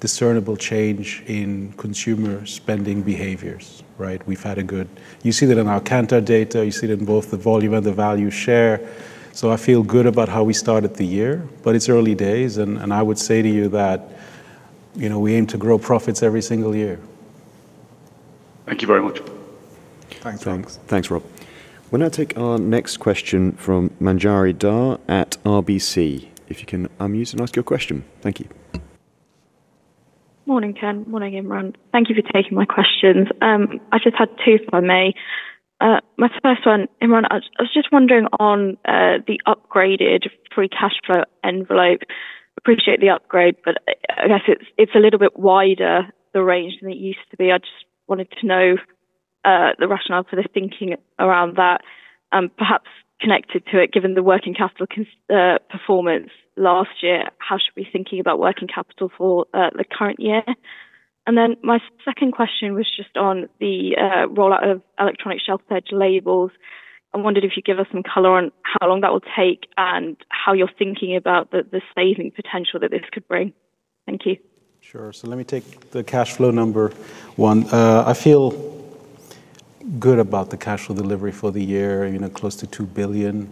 discernible change in consumer spending behaviors, right? You see that in our Kantar data. You see it in both the volume and the value share. I feel good about how we started the year, but it's early days, and I would say to you that we aim to grow profits every single year. Thank you very much. Thanks. Thanks. Thanks, Rob. We'll now take our next question from Manjari Dhar at RBC. If you can unmute and ask your question. Thank you. Morning, Ken. Morning, Imran. Thank you for taking my questions. I just had two, if I may. My first one, Imran, I was just wondering on the upgraded free cash flow envelope. Appreciate the upgrade, but I guess it's a little bit wider the range than it used to be. I just wanted to know the rationale for the thinking around that. Perhaps connected to it, given the working capital performance last year, how should we be thinking about working capital for the current year? My second question was just on the rollout of electronic shelf-edge labels. I wondered if you'd give us some color on how long that will take and how you're thinking about the saving potential that this could bring. Thank you. Sure. Let me take the cash flow number one. I feel good about the cash flow delivery for the year, close to 2 billion.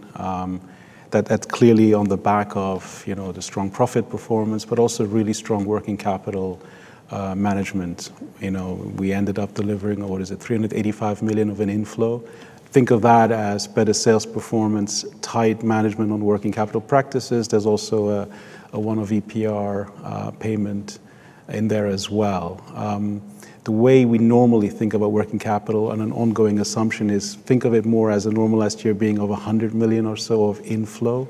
That's clearly on the back of the strong profit performance, but also really strong working capital management. We ended up delivering, what is it, 385 million of an inflow. Think of that as better sales performance, tight management on working capital practices. There's also a one-off EPR payment in there as well. The way we normally think about working capital and an ongoing assumption is think of it more as a normalized year being over 100 million or so of inflow.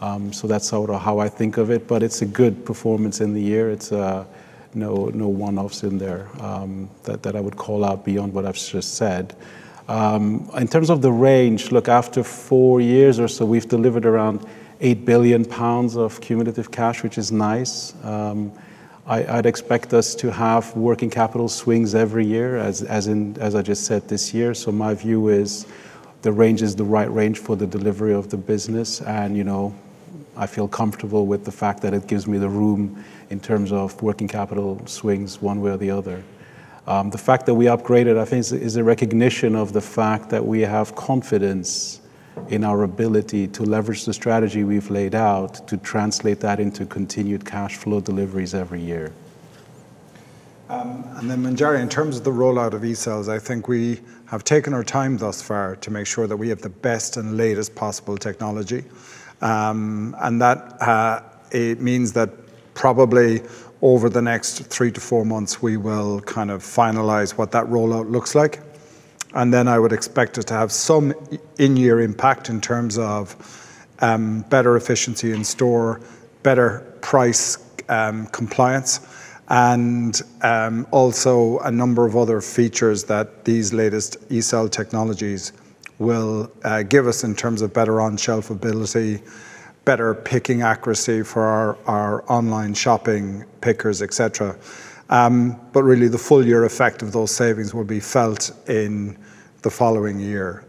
That's sort of how I think of it, but it's a good performance in the year. There are no one-offs in there that I would call out beyond what I've just said. In terms of the range, look, after four years or so, we've delivered around 8 billion pounds of cumulative cash, which is nice. I'd expect us to have working capital swings every year, as I just said this year. My view is the range is the right range for the delivery of the business, and I feel comfortable with the fact that it gives me the room in terms of working capital swings one way or the other. The fact that we upgraded, I think, is a recognition of the fact that we have confidence in our ability to leverage the strategy we've laid out to translate that into continued cash flow deliveries every year. Manjari, in terms of the rollout of ESL, I think we have taken our time thus far to make sure that we have the best and latest possible technology. That it means that probably over the next three to four months, we will kind of finalize what that rollout looks like. I would expect it to have some in-year impact in terms of better efficiency in store, better price compliance, and also a number of other features that these latest ESL technologies will give us in terms of better on-shelf availability, better picking accuracy for our online shopping pickers, et cetera. Really, the full year effect of those savings will be felt in the following year.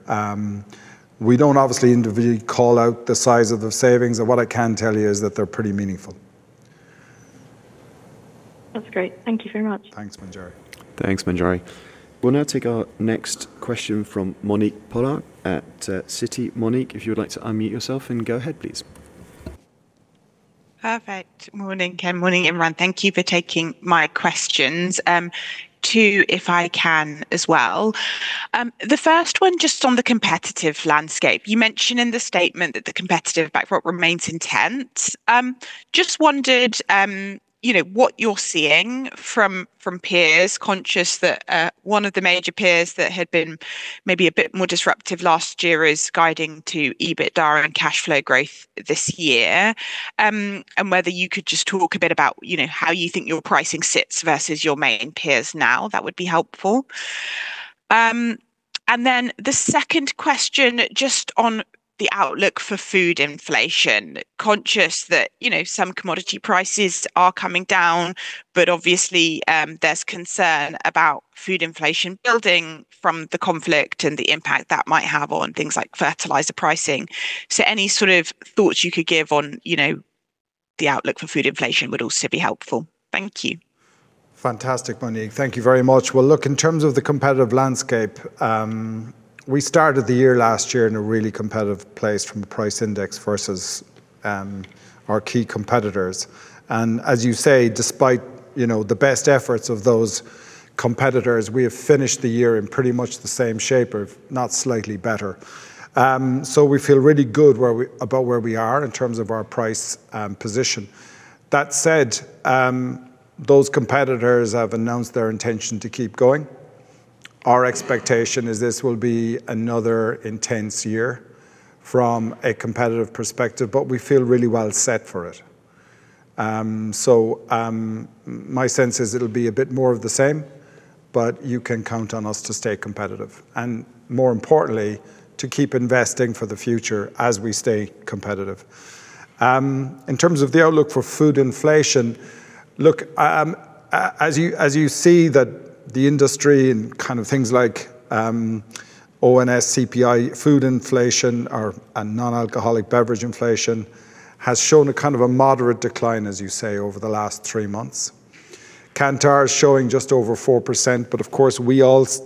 We don't obviously individually call out the size of the savings, but what I can tell you is that they're pretty meaningful. That's great. Thank you very much. Thanks, Manjari. Thanks, Manjari. We'll now take our next question from Monique Pollard at Citi. Monique, if you would like to unmute yourself and go ahead, please. Perfect. Morning, Ken. Morning, Imran. Thank you for taking my questions. Two, if I can as well. The first one, just on the competitive landscape. You mentioned in the statement that the competitive background remains intense. Just wondered what you're seeing from peers, conscious that one of the major peers that had been maybe a bit more disruptive last year is guiding to EBITDA and cash flow growth this year. And whether you could just talk a bit about how you think your pricing sits versus your main peers now. That would be helpful. The second question, just on the outlook for food inflation. Conscious that some commodity prices are coming down, but obviously there's concern about food inflation building from the conflict and the impact that might have on things like fertilizer pricing. Any sort of thoughts you could give on the outlook for food inflation would also be helpful. Thank you. Fantastic, Monique. Thank you very much. Well, look, in terms of the competitive landscape, we started the year last year in a really competitive place from a price index versus our key competitors. As you say, despite the best efforts of those competitors, we have finished the year in pretty much the same shape, if not slightly better. We feel really good about where we are in terms of our price position. That said, those competitors have announced their intention to keep going. Our expectation is this will be another intense year from a competitive perspective, but we feel really well set for it. My sense is it'll be a bit more of the same, but you can count on us to stay competitive and more importantly, to keep investing for the future as we stay competitive. In terms of the outlook for food inflation, as you see that the industry and things like ONS, CPI, food inflation, and non-alcoholic beverage inflation has shown a kind of a moderate decline, as you say, over the last three months. Kantar is showing just over 4%, but of course, we always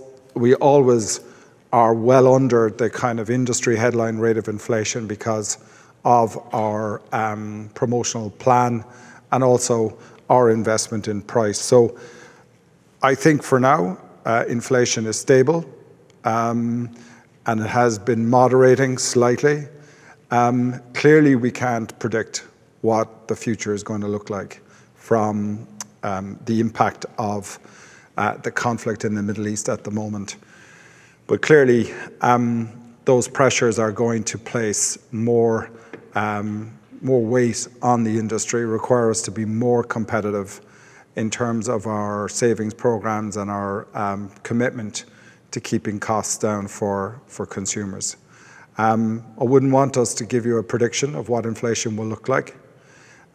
are well under the kind of industry headline rate of inflation because of our promotional plan and also our investment in price. I think for now, inflation is stable, and it has been moderating slightly. Clearly, we can't predict what the future is going to look like from the impact of the conflict in the Middle East at the moment. Clearly, those pressures are going to place more weight on the industry, require us to be more competitive in terms of our savings programs and our commitment to keeping costs down for consumers. I wouldn't want us to give you a prediction of what inflation will look like.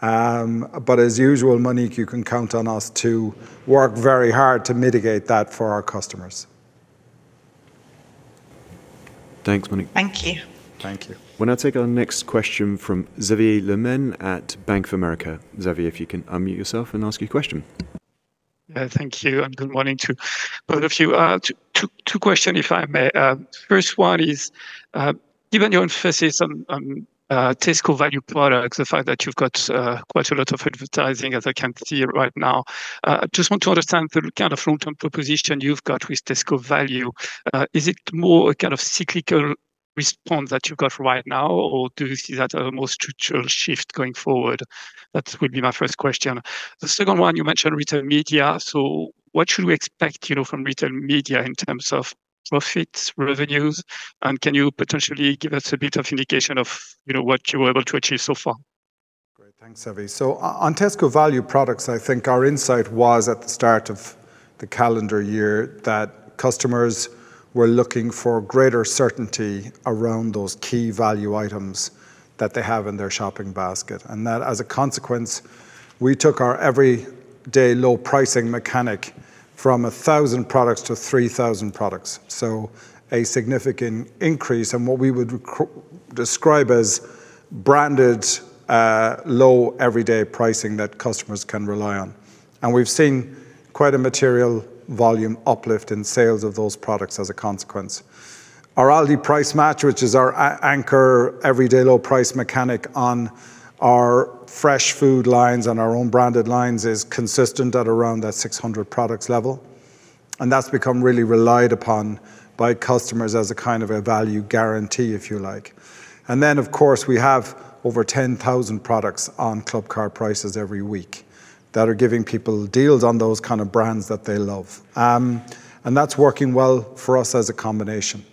As usual, Monique, you can count on us to work very hard to mitigate that for our customers. Thanks, Monique. Thank you. Thank you. We'll now take our next question from Xavier Le Mené at Bank of America. Xavier, if you can unmute yourself and ask your question. Yeah, thank you, and good morning to both of you. Two questions, if I may. First one is, given your emphasis on Tesco Value products, the fact that you've got quite a lot of advertising, as I can see right now, just want to understand the kind of long-term proposition you've got with Tesco Value. Is it more a kind of cyclical response that you got right now or do you see that a more structural shift going forward? That would be my first question. The second one, you mentioned retail media. So what should we expect from retail media in terms of profits, revenues, and can you potentially give us a bit of indication of what you were able to achieve so far? Great. Thanks, Xavier. On Tesco Value products, I think our insight was at the start of the calendar year that customers were looking for greater certainty around those key value items that they have in their shopping basket. That as a consequence, we took our every day low pricing mechanic from 1,000 products to 3,000 products. A significant increase in what we would describe as branded low everyday pricing that customers can rely on. We've seen quite a material volume uplift in sales of those products as a consequence. Our Aldi Price Match, which is our anchor everyday low price mechanic on our fresh food lines and our own branded lines is consistent at around that 600 products level. That's become really relied upon by customers as a kind of a value guarantee, if you like. Of course, we have over 10,000 products on Clubcard prices every week that are giving people deals on those kind of brands that they love. That's working well for us as a combination.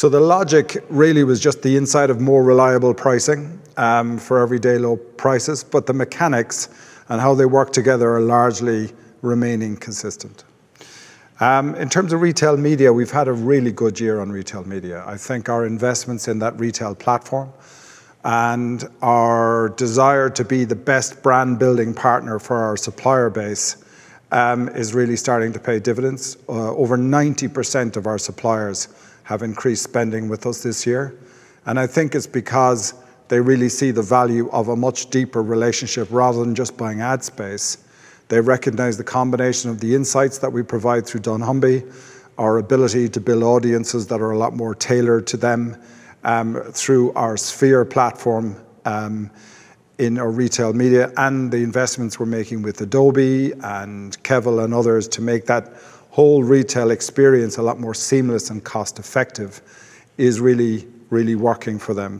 The logic really was just the insight of more reliable pricing for everyday low prices, but the mechanics and how they work together are largely remaining consistent. In terms of retail media, we've had a really good year on retail media. I think our investments in that retail platform and our desire to be the best brand-building partner for our supplier base is really starting to pay dividends. Over 90% of our suppliers have increased spending with us this year, and I think it's because they really see the value of a much deeper relationship rather than just buying ad space. They recognize the combination of the insights that we provide through dunnhumby, our ability to build audiences that are a lot more tailored to them through our Sphere platform in our retail media, and the investments we're making with Adobe and Kevel and others to make that whole retail experience a lot more seamless and cost-effective is really, really working for them.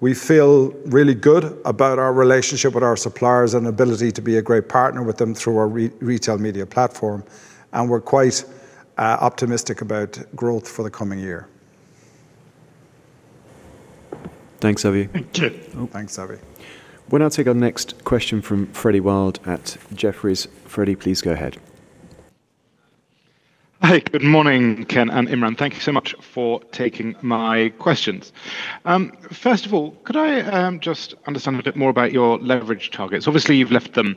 We feel really good about our relationship with our suppliers and ability to be a great partner with them through our retail media platform, and we're quite optimistic about growth for the coming year. Thanks, Avi. Thank you. Thanks, Avi. We'll now take our next question from Freddie Wild at Jefferies. Freddie, please go ahead. Hi, good morning, Ken and Imran. Thank you so much for taking my questions. First of all, could I just understand a bit more about your leverage targets? Obviously, you've left them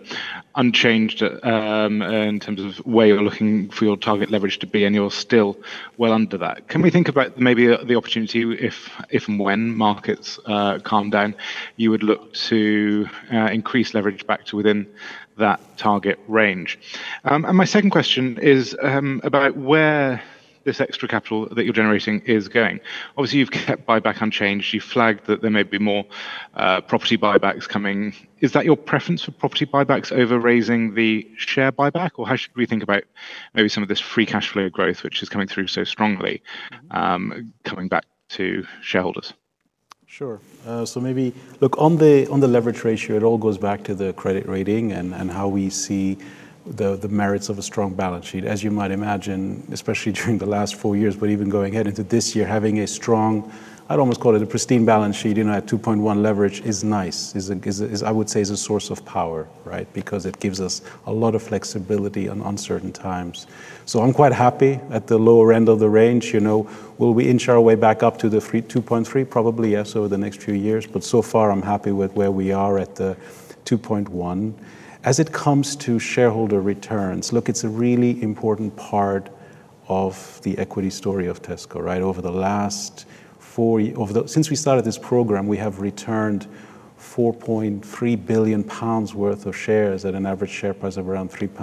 unchanged in terms of where you're looking for your target leverage to be, and you're still well under that. Can we think about maybe the opportunity if, and when markets calm down, you would look to increase leverage back to within that target range? My second question is about where this extra capital that you're generating is going. Obviously, you've kept buyback unchanged. You flagged that there may be more property buybacks coming. Is that your preference for property buybacks over raising the share buyback? Or how should we think about maybe some of this free cash flow growth, which is coming through so strongly, coming back to shareholders? Sure. Maybe, look on the leverage ratio, it all goes back to the credit rating and how we see the merits of a strong balance sheet. As you might imagine, especially during the last four years, but even going ahead into this year, having a strong, I'd almost call it a pristine balance sheet, at 2.1x leverage is nice. I would say is a source of power, right? Because it gives us a lot of flexibility in uncertain times. I'm quite happy at the lower end of the range. Will we inch our way back up to the 2.3x? Probably, yes, over the next few years, but so far, I'm happy with where we are at the 2.1x. As it comes to shareholder returns, look, it's a really important part of the equity story of Tesco, right? Since we started this program, we have returned 4.3 billion pounds worth of shares at an average share price of around 3.17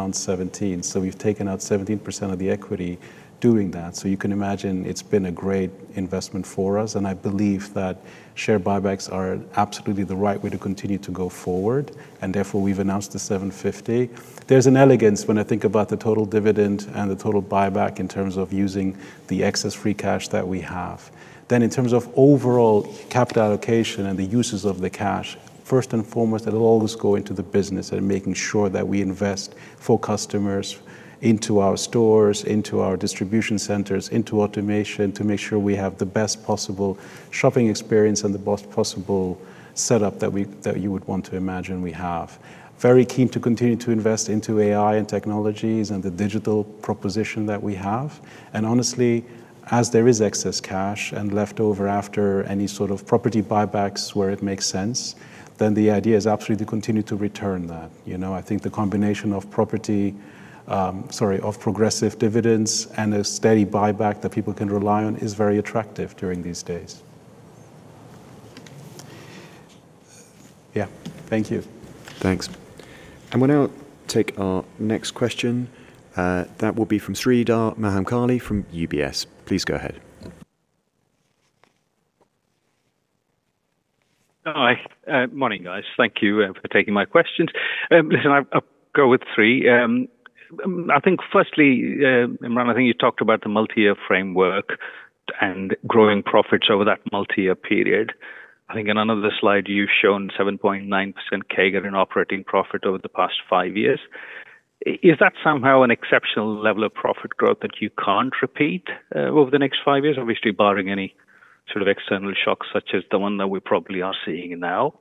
pounds. We've taken out 17% of the equity doing that. You can imagine it's been a great investment for us, and I believe that share buybacks are absolutely the right way to continue to go forward, and therefore, we've announced the 750 million. There's an elegance when I think about the total dividend and the total buyback in terms of using the excess free cash that we have. In terms of overall capital allocation and the uses of the cash, first and foremost, it'll always go into the business and making sure that we invest for customers into our stores, into our distribution centers, into automation to make sure we have the best possible shopping experience and the best possible setup that you would want to imagine we have. Very keen to continue to invest into AI and technologies and the digital proposition that we have. Honestly, as there is excess cash and leftover after any sort of property buybacks where it makes sense, then the idea is absolutely to continue to return that. I think the combination of progressive dividends and a steady buyback that people can rely on is very attractive during these days. Yeah. Thank you. Thanks. We'll now take our next question, that will be from Sreedhar Mahamkali from UBS. Please go ahead. Hi, morning guys. Thank you for taking my questions. Listen, I'll go with three. I think firstly, Imran, I think you talked about the multi-year framework and growing profits over that multi-year period. I think in another slide, you've shown 7.9% CAGR in operating profit over the past five years. Is that somehow an exceptional level of profit growth that you can't repeat over the next five years? Obviously, barring any sort of external shocks, such as the one that we probably are seeing now.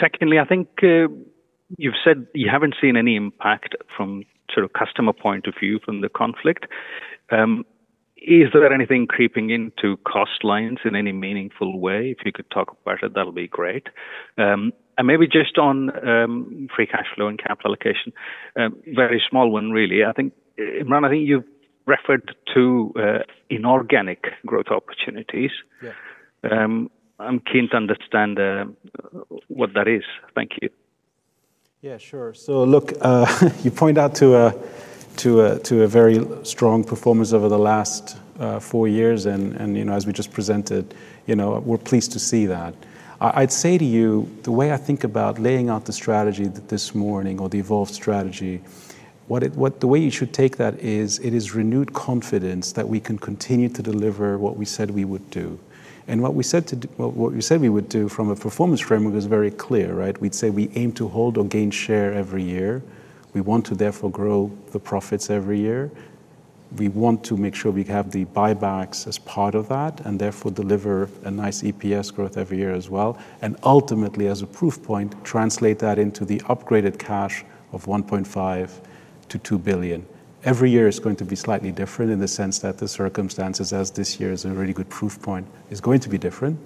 Secondly, I think you've said you haven't seen any impact from sort of customer point of view from the conflict. Is there anything creeping into cost lines in any meaningful way? If you could talk about it, that'll be great. Maybe just on free cash flow and capital allocation. Very small one really. Imran, I think you've referred to inorganic growth opportunities. Yeah. I'm keen to understand what that is. Thank you. Yeah, sure. Look you point out to a very strong performance over the last four years and, as we just presented, we're pleased to see that. I'd say to you, the way I think about laying out the strategy this morning or the evolved strategy, the way you should take that is, it is renewed confidence that we can continue to deliver what we said we would do. What we said we would do from a performance framework is very clear, right? We'd say we aim to hold or gain share every year. We want to therefore grow the profits every year. We want to make sure we have the buybacks as part of that, and therefore deliver a nice EPS growth every year as well. Ultimately, as a proof point, translate that into the upgraded cash of 1.5 billion-2 billion. Every year is going to be slightly different in the sense that the circumstances, as this year is a really good proof point, is going to be different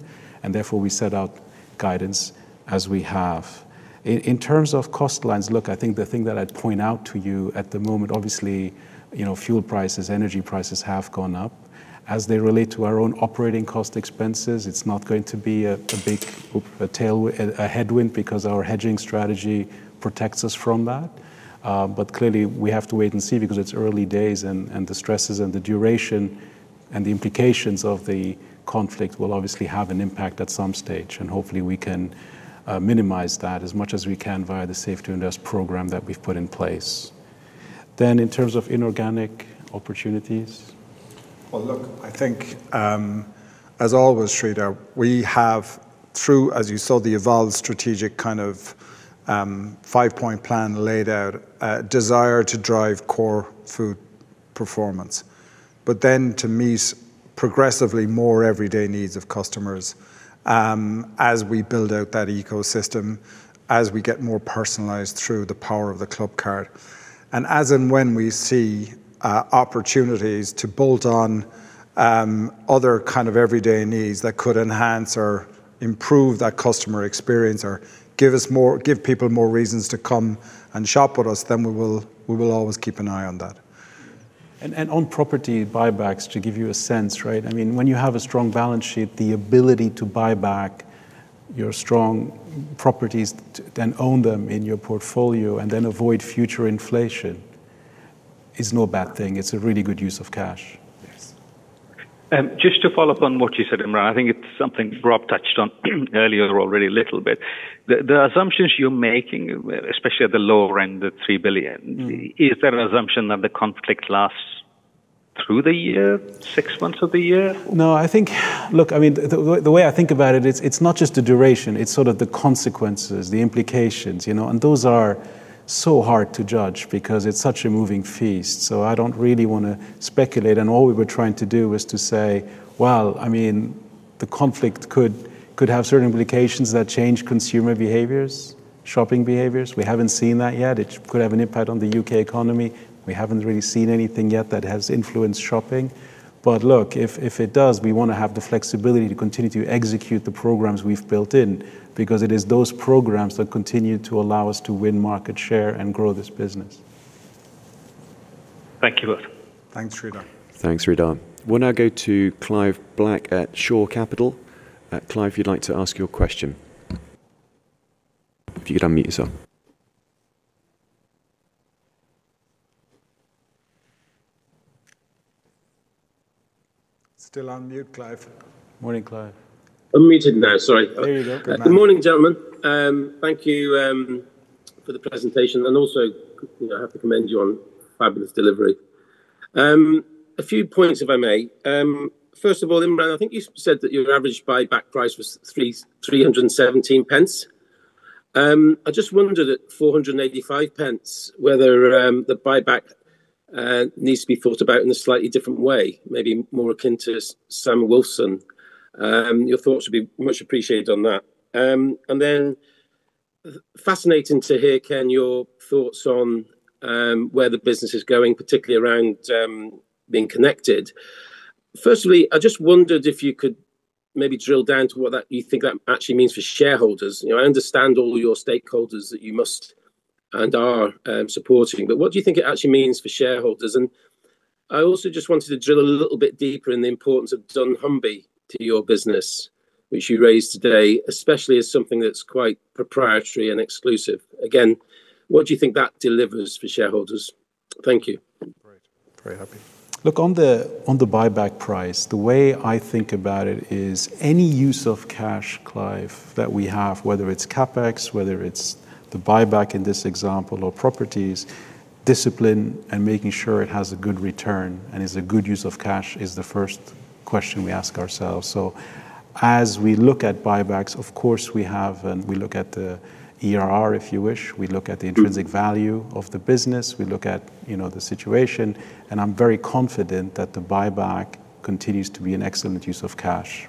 and therefore we set out guidance as we have. In terms of cost lines, look, I think the thing that I'd point out to you at the moment, obviously, fuel prices, energy prices have gone up. As they relate to our own operating cost expenses, it's not going to be a headwind because our hedging strategy protects us from that. Clearly we have to wait and see because it's early days and the stresses and the duration and the implications of the conflict will obviously have an impact at some stage. Hopefully, we can minimize that as much as we can via the Save to Invest programme that we've put in place. In terms of inorganic opportunities. Well, look, I think, as always, Sreedhar, we have through, as you saw, the evolved strategic kind of five-point plan laid out, a desire to drive core food performance. To meet progressively more everyday needs of customers as we build out that ecosystem, as we get more personalized through the power of the Clubcard. As and when we see opportunities to bolt on other kind of everyday needs that could enhance or improve that customer experience or give people more reasons to come and shop with us, then we will always keep an eye on that. On property buybacks to give you a sense. When you have a strong balance sheet, the ability to buy back your strong properties, then own them in your portfolio and then avoid future inflation is no bad thing. It's a really good use of cash. Yes. Just to follow up on what you said, Imran, I think it's something Rob touched on earlier already a little bit. The assumptions you're making, especially at the lower end, the 3 billion. Mm-hmm. Is there an assumption that the conflict lasts through the year, six months of the year? No. Look, the way I think about it's not just the duration, it's sort of the consequences, the implications. Those are so hard to judge because it's such a moving feast. I don't really want to speculate. All we were trying to do was to say, well, the conflict could have certain implications that change consumer behaviors, shopping behaviors. We haven't seen that yet. It could have an impact on the U.K. economy. We haven't really seen anything yet that has influenced shopping. Look, if it does, we want to have the flexibility to continue to execute the programs we've built in, because it is those programs that continue to allow us to win market share and grow this business. Thank you both. Thanks, Sreedhar. Thanks, Sreedhar. We'll now go to Clive Black at Shore Capital. Clive, if you'd like to ask your question. If you could unmute yourself. Still on mute, Clive. Morning, Clive. Unmuted now, sorry. There you go. Good man. Good morning, gentlemen. Thank you for the presentation and also, I have to commend you on fabulous delivery. A few points if I may. First of all, Imran, I think you said that your average buyback price was 3.17. I just wondered at 4.85 whether the buyback needs to be thought about in a slightly different way, maybe more akin to Sam Wilson. Your thoughts would be much appreciated on that. Fascinating to hear, Ken, your thoughts on where the business is going, particularly around being connected. I just wondered if you could maybe drill down to what you think that actually means for shareholders. I understand all your stakeholders that you must and are supporting. What do you think it actually means for shareholders? I also just wanted to drill a little bit deeper in the importance of dunnhumby to your business, which you raised today, especially as something that's quite proprietary and exclusive. Again, what do you think that delivers for shareholders? Thank you. Great. Very happy. Look, on the buyback price, the way I think about it is any use of cash, Clive, that we have, whether it's CapEx, whether it's the buyback in this example, or properties, discipline and making sure it has a good return and is a good use of cash is the first question we ask ourselves. As we look at buybacks, of course, we have, and we look at the IRR, if you wish. We look at the intrinsic value of the business. We look at the situation, and I'm very confident that the buyback continues to be an excellent use of cash.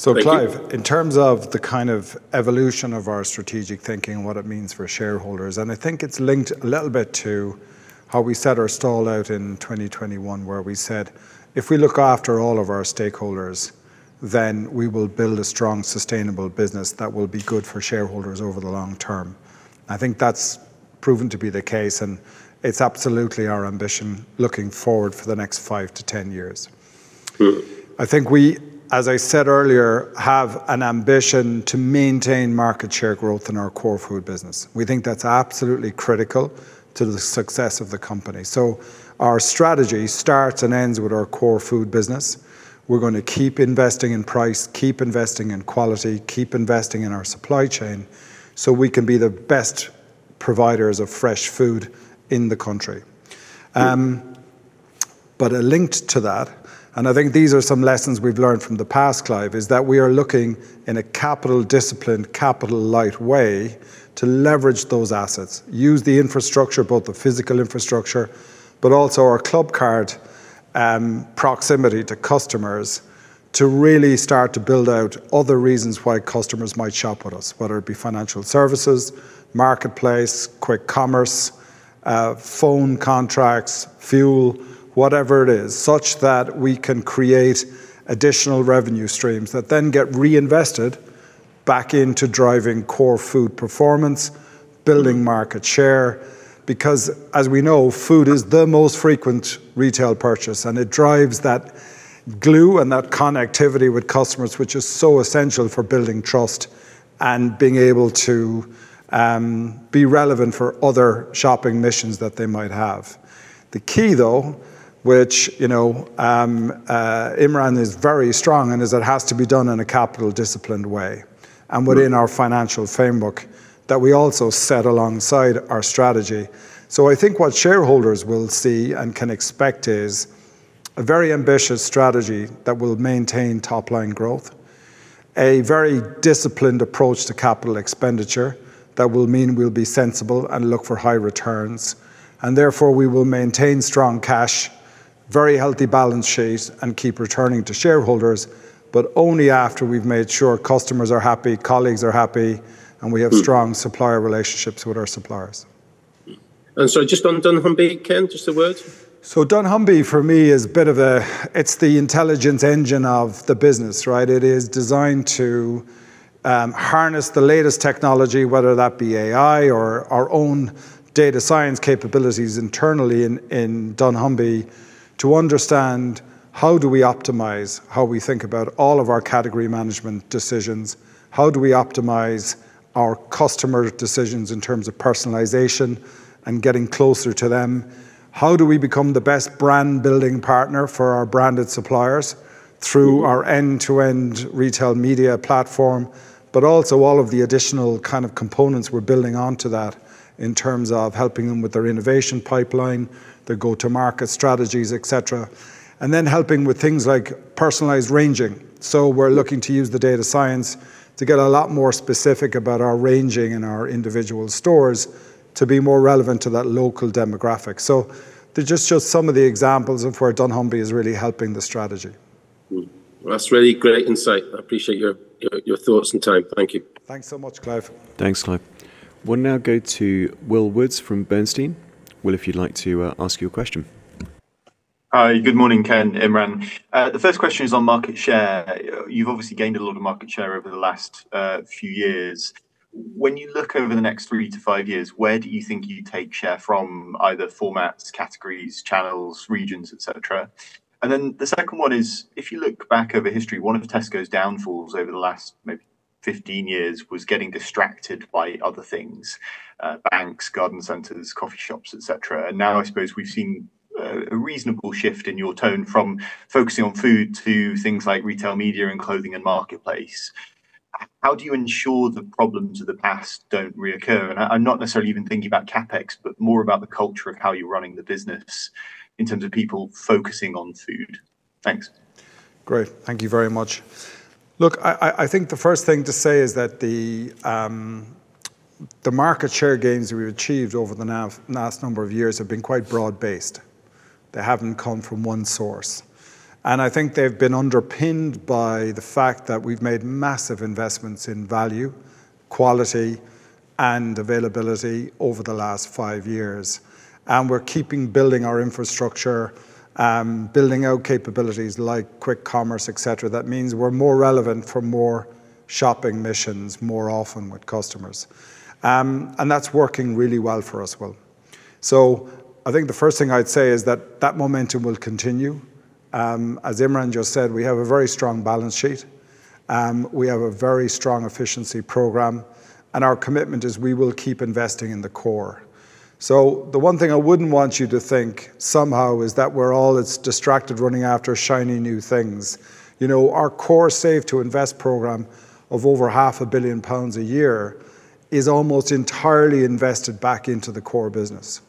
Thank you— Clive, in terms of the kind of evolution of our strategic thinking and what it means for shareholders, and I think it's linked a little bit to how we set our stall out in 2021, where we said, if we look after all of our stakeholders, then we will build a strong, sustainable business that will be good for shareholders over the long term. I think that's proven to be the case, and it's absolutely our ambition looking forward for the next five to 10 years. Mm-hmm. I think we, as I said earlier, have an ambition to maintain market share growth in our core food business. We think that's absolutely critical to the success of the company. Our strategy starts and ends with our core food business. We're going to keep investing in price, keep investing in quality, keep investing in our supply chain so we can be the best providers of fresh food in the country. Linked to that, and I think these are some lessons we've learned from the past, Clive, is that we are looking in a capital discipline, capital light way to leverage those assets. Use the infrastructure, both the physical infrastructure, but also our Clubcard proximity to customers to really start to build out other reasons why customers might shop with us, whether it be financial services, Marketplace, quick commerce, phone contracts, fuel, whatever it is, such that we can create additional revenue streams that then get reinvested back into driving core food performance, building market share. Because as we know, food is the most frequent retail purchase, and it drives that glue and that connectivity with customers, which is so essential for building trust and being able to be relevant for other shopping missions that they might have. The key, though, which Imran is very strong on, is it has to be done in a capital disciplined way and within our financial framework that we also set alongside our strategy. I think what shareholders will see and can expect is a very ambitious strategy that will maintain top-line growth, a very disciplined approach to capital expenditure that will mean we'll be sensible and look for high returns, and therefore we will maintain strong cash, very healthy balance sheet, and keep returning to shareholders, but only after we've made sure customers are happy, colleagues are happy, and we have strong supplier relationships with our suppliers. Just on dunnhumby, Ken, just a word? Dunnhumby, for me, it's the intelligence engine of the business. It is designed to harness the latest technology, whether that be AI or our own data science capabilities internally in dunnhumby to understand how do we optimize how we think about all of our category management decisions, how do we optimize our customer decisions in terms of personalization and getting closer to them, how do we become the best brand-building partner for our branded suppliers through our end-to-end retail media platform. All of the additional kind of components we're building onto that in terms of helping them with their innovation pipeline, their go-to market strategies, et cetera. Then helping with things like personalized ranging. We're looking to use the data science to get a lot more specific about our ranging in our individual stores to be more relevant to that local demographic. They're just some of the examples of where dunnhumby is really helping the strategy. Well, that's really great insight. I appreciate your thoughts and time. Thank you. Thanks so much, Clive. Thanks, Clive. We'll now go to Will Woods from Bernstein. Will, if you'd like to ask your question. Hi, good morning, Ken, Imran. The first question is on market share. You've obviously gained a lot of market share over the last few years. When you look over the next three to five years, where do you think you take share from either formats, categories, channels, regions, et cetera? The second one is, if you look back over history, one of Tesco's downfalls over the last maybe 15 years was getting distracted by other things, banks, garden centers, coffee shops, et cetera. Now I suppose we've seen a reasonable shift in your tone from focusing on food to things like retail media and clothing and Marketplace. How do you ensure the problems of the past don't reoccur? I'm not necessarily even thinking about CapEx, but more about the culture of how you're running the business in terms of people focusing on food. Thanks. Great. Thank you very much. Look, I think the first thing to say is that the market share gains we've achieved over the last number of years have been quite broad-based. They haven't come from one source. I think they've been underpinned by the fact that we've made massive investments in value, quality, and availability over the last five years. We're keeping building our infrastructure, building out capabilities like quick commerce, et cetera. That means we're more relevant for more shopping missions more often with customers. That's working really well for us, Will. I think the first thing I'd say is that that momentum will continue. As Imran just said, we have a very strong balance sheet. We have a very strong efficiency program, and our commitment is we will keep investing in the core. The one thing I wouldn't want you to think somehow is that we're all as distracted running after shiny new things. Our core Save to Invest programme of over 500 million pounds a year is almost entirely invested back into the core business.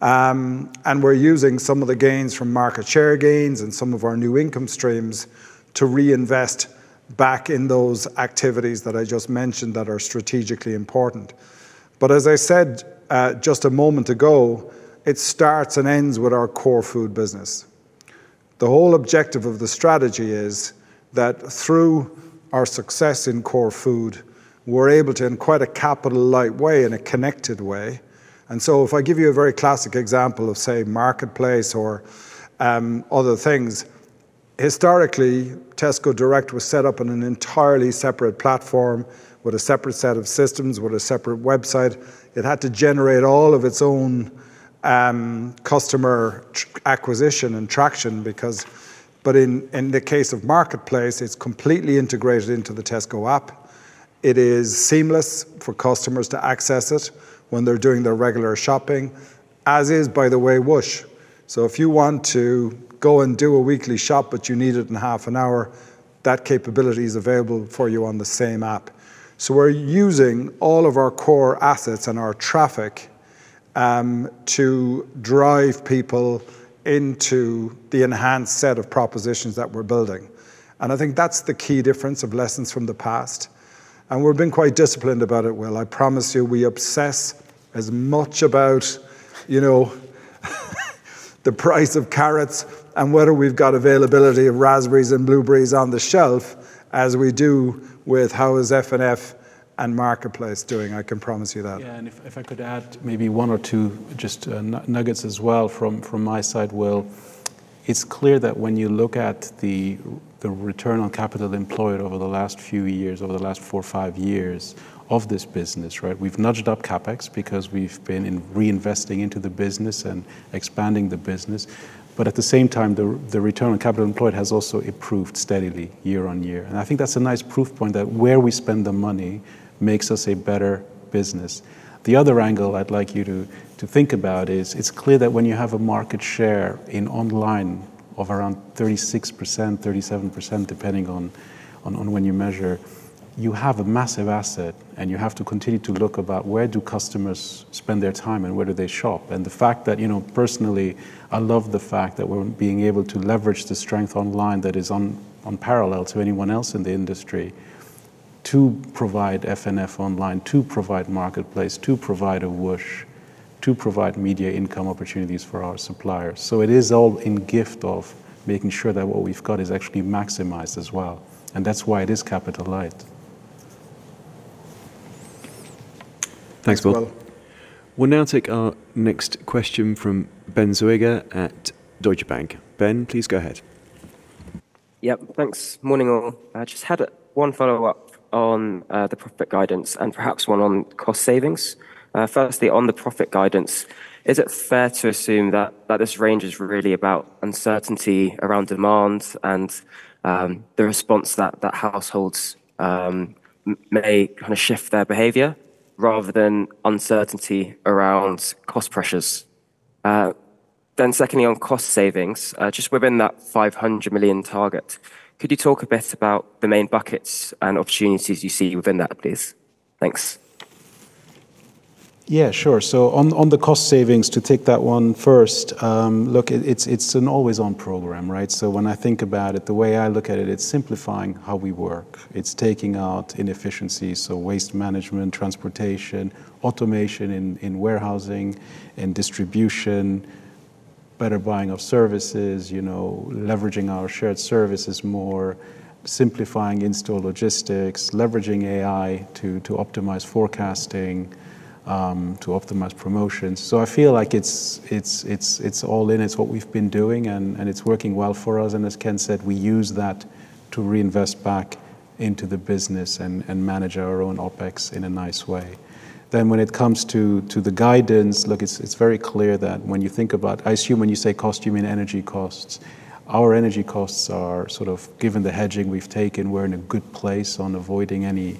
We're using some of the gains from market share gains and some of our new income streams to reinvest back in those activities that I just mentioned that are strategically important. As I said just a moment ago, it starts and ends with our core food business. The whole objective of the strategy is that through our success in core food, we're able to, in quite a capital light way, in a connected way. If I give you a very classic example of, say, Marketplace or other things, historically, Tesco Direct was set up on an entirely separate platform with a separate set of systems, with a separate website. It had to generate all of its own customer acquisition and traction because, but in the case of Marketplace, it's completely integrated into the Tesco app. It is seamless for customers to access it when they're doing their regular shopping, as is, by the way, Whoosh. If you want to go and do a weekly shop, but you need it in half an hour, that capability is available for you on the same app. We're using all of our core assets and our traffic to drive people into the enhanced set of propositions that we're building. I think that's the key difference of lessons from the past. We've been quite disciplined about it, Will, I promise you, we obsess as much about the price of carrots and whether we've got availability of raspberries and blueberries on the shelf as we do with how is F&F and Marketplace doing, I can promise you that. If I could add maybe one or two just nuggets as well from my side, Will. It's clear that when you look at the return on capital employed over the last few years, over the last four or five years of this business, we've nudged up CapEx because we've been reinvesting into the business and expanding the business. At the same time, the return on capital employed has also improved steadily year on year. I think that's a nice proof point that where we spend the money makes us a better business. The other angle I'd like you to think about is it's clear that when you have a market share in online of around 36%, 37%, depending on when you measure. You have a massive asset and you have to continue to look about where do customers spend their time and where do they shop. Personally, I love the fact that we're being able to leverage the strength online that is unparalleled to anyone else in the industry to provide F&F online, to provide Marketplace, to provide a Whoosh, to provide media income opportunities for our suppliers. It is all in aid of making sure that what we've got is actually maximized as well, and that's why it is capital light. Thanks, both. We'll now take our next question from Ben Zoega at Deutsche Bank. Ben, please go ahead. Yep, thanks. Morning, all. I just had one follow-up on the profit guidance and perhaps one on cost savings. Firstly, on the profit guidance, is it fair to assume that this range is really about uncertainty around demand and the response that households may kind of shift their behavior rather than uncertainty around cost pressures? Then secondly, on cost savings, just within that 500 million target, could you talk a bit about the main buckets and opportunities you see within that, please? Thanks. Yeah, sure. On the cost savings, to take that one first, look, it's an always-on program, right? When I think about it, the way I look at it's simplifying how we work. It's taking out inefficiencies, so waste management, transportation, automation in warehousing and distribution, better buying of services, leveraging our shared services more, simplifying in-store logistics, leveraging AI to optimize forecasting, to optimize promotions. I feel like it's all in, it's what we've been doing, and it's working well for us. As Ken said, we use that to reinvest back into the business and manage our own OpEx in a nice way. When it comes to the guidance, look, it's very clear that when you think about, I assume when you say cost, you mean energy costs? Our energy costs are sort of, given the hedging we've taken, we're in a good place on avoiding any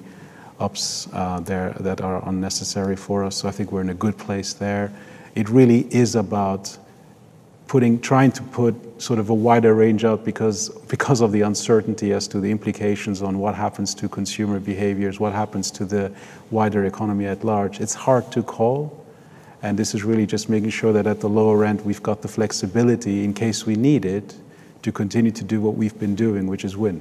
ups there that are unnecessary for us. I think we're in a good place there. It really is about trying to put sort of a wider range out because of the uncertainty as to the implications on what happens to consumer behaviors, what happens to the wider economy at large. It's hard to call, and this is really just making sure that at the lower end, we've got the flexibility in case we need it to continue to do what we've been doing, which is win.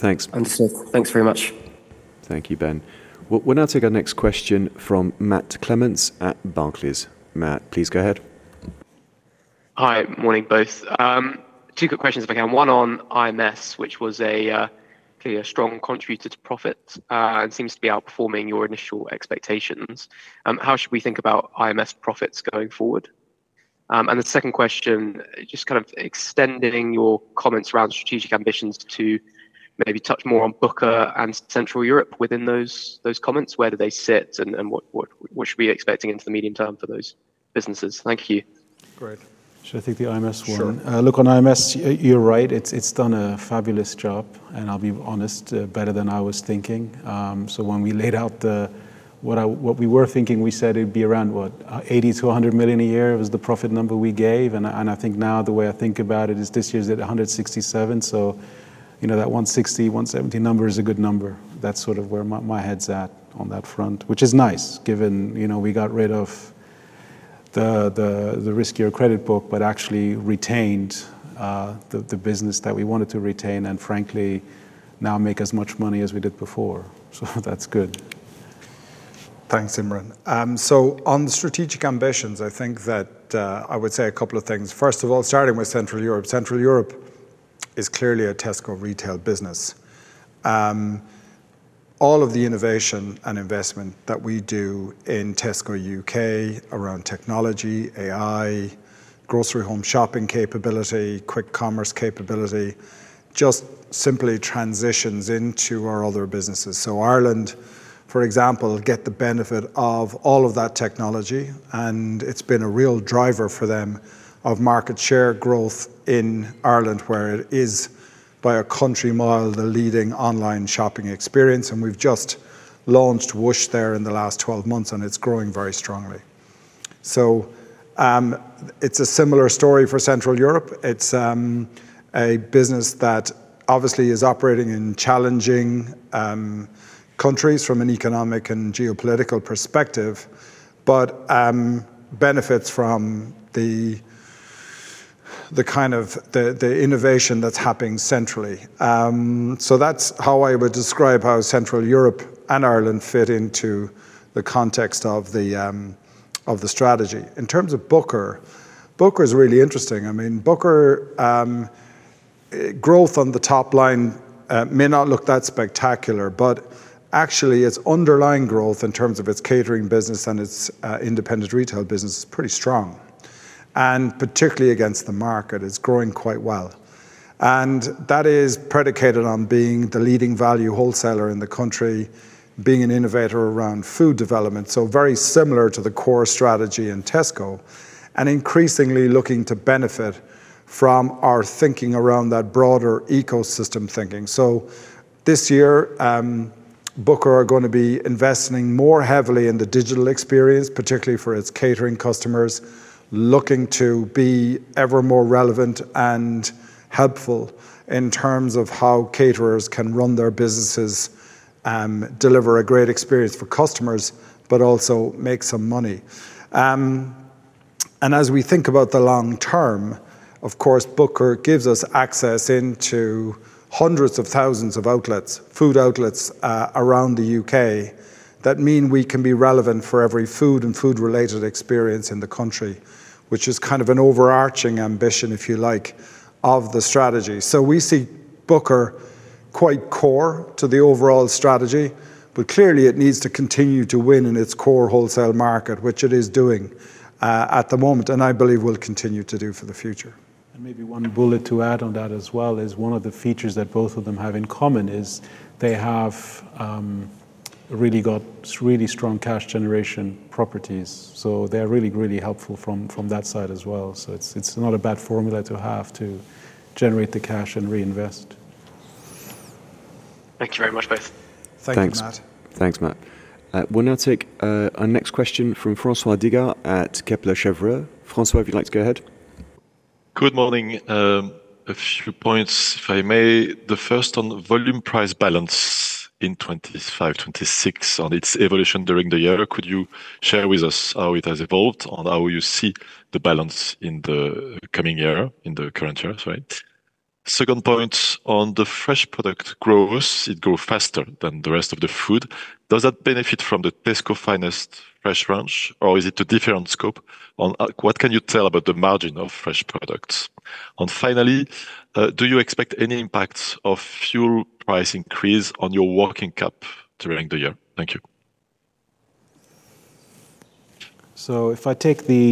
Great. Thanks. Thanks very much. Thank you, Ben. We'll now take our next question from Matt Clements at Barclays. Matt, please go ahead. Hi. Morning, both. Two quick questions if I can. One on IMS, which was clearly a strong contributor to profit and seems to be outperforming your initial expectations. How should we think about IMS profits going forward? The second question, just kind of extending your comments around strategic ambitions to maybe touch more on Booker and Central Europe within those comments. Where do they sit and what should we be expecting into the medium term for those businesses? Thank you. Great. Should I take the IMS one? Sure. Look, on IMS, you're right. It's done a fabulous job, and I'll be honest, better than I was thinking. When we laid out what we were thinking, we said it'd be around, what? 80 million-100 million a year was the profit number we gave, and I think now the way I think about it is this year it's at 167 million. That 160 million, 170 million number is a good number. That's sort of where my head's at on that front, which is nice given we got rid of the riskier credit book, but actually retained the business that we wanted to retain, and frankly, now make as much money as we did before. That's good. Thanks, Imran. On the strategic ambitions, I think that I would say a couple of things. First of all, starting with Central Europe. Central Europe is clearly a Tesco retail business. All of the innovation and investment that we do in Tesco U.K. around technology, AI, grocery home shopping capability, quick commerce capability, just simply transitions into our other businesses. Ireland, for example, will get the benefit of all of that technology, and it's been a real driver for them of market share growth in Ireland, where it is, by a country mile, the leading online shopping experience, and we've just launched Whoosh there in the last 12 months, and it's growing very strongly. It's a similar story for Central Europe. It's a business that obviously is operating in challenging countries from an economic and geopolitical perspective, but benefits from the innovation that's happening centrally. That's how I would describe how Central Europe and Ireland fit into the context of the strategy. In terms of Booker is really interesting. Booker growth on the top line may not look that spectacular, but actually its underlying growth in terms of its catering business and its independent retail business is pretty strong. Particularly against the market, it's growing quite well. That is predicated on being the leading value wholesaler in the country, being an innovator around food development, so very similar to the core strategy in Tesco, and increasingly looking to benefit from our thinking around that broader ecosystem thinking. This year, Booker are going to be investing more heavily in the digital experience, particularly for its catering customers, looking to be ever more relevant and helpful in terms of how caterers can run their businesses and deliver a great experience for customers, but also make some money. As we think about the long term, of course, Booker gives us access into hundreds of thousands of food outlets around the U.K. That means we can be relevant for every food and food-related experience in the country, which is kind of an overarching ambition, if you like, of the strategy. We see Booker quite core to the overall strategy, but clearly it needs to continue to win in its core wholesale market, which it is doing at the moment, and I believe will continue to do for the future. Maybe one bullet to add on that as well is one of the features that both of them have in common is they have really got really strong cash generation properties. They're really, really helpful from that side as well. It's not a bad formula to have to generate the cash and reinvest. Thank you very much, both. Thanks. Thanks, Matt. Thanks, Matt. We'll now take our next question from François Digard at Kepler Cheuvreux. François, if you'd like to go ahead. Good morning. A few points, if I may. The first on volume price balance in 2025, 2026 on its evolution during the year. Could you share with us how it has evolved and how you see the balance in the coming year, in the current year? Second point on the fresh product growth, it grew faster than the rest of the food. Does that benefit from the Tesco Finest fresh range or is it a different scope? What can you tell about the margin of fresh products? Finally, do you expect any impacts of fuel price increase on your working cap during the year? Thank you. If I take the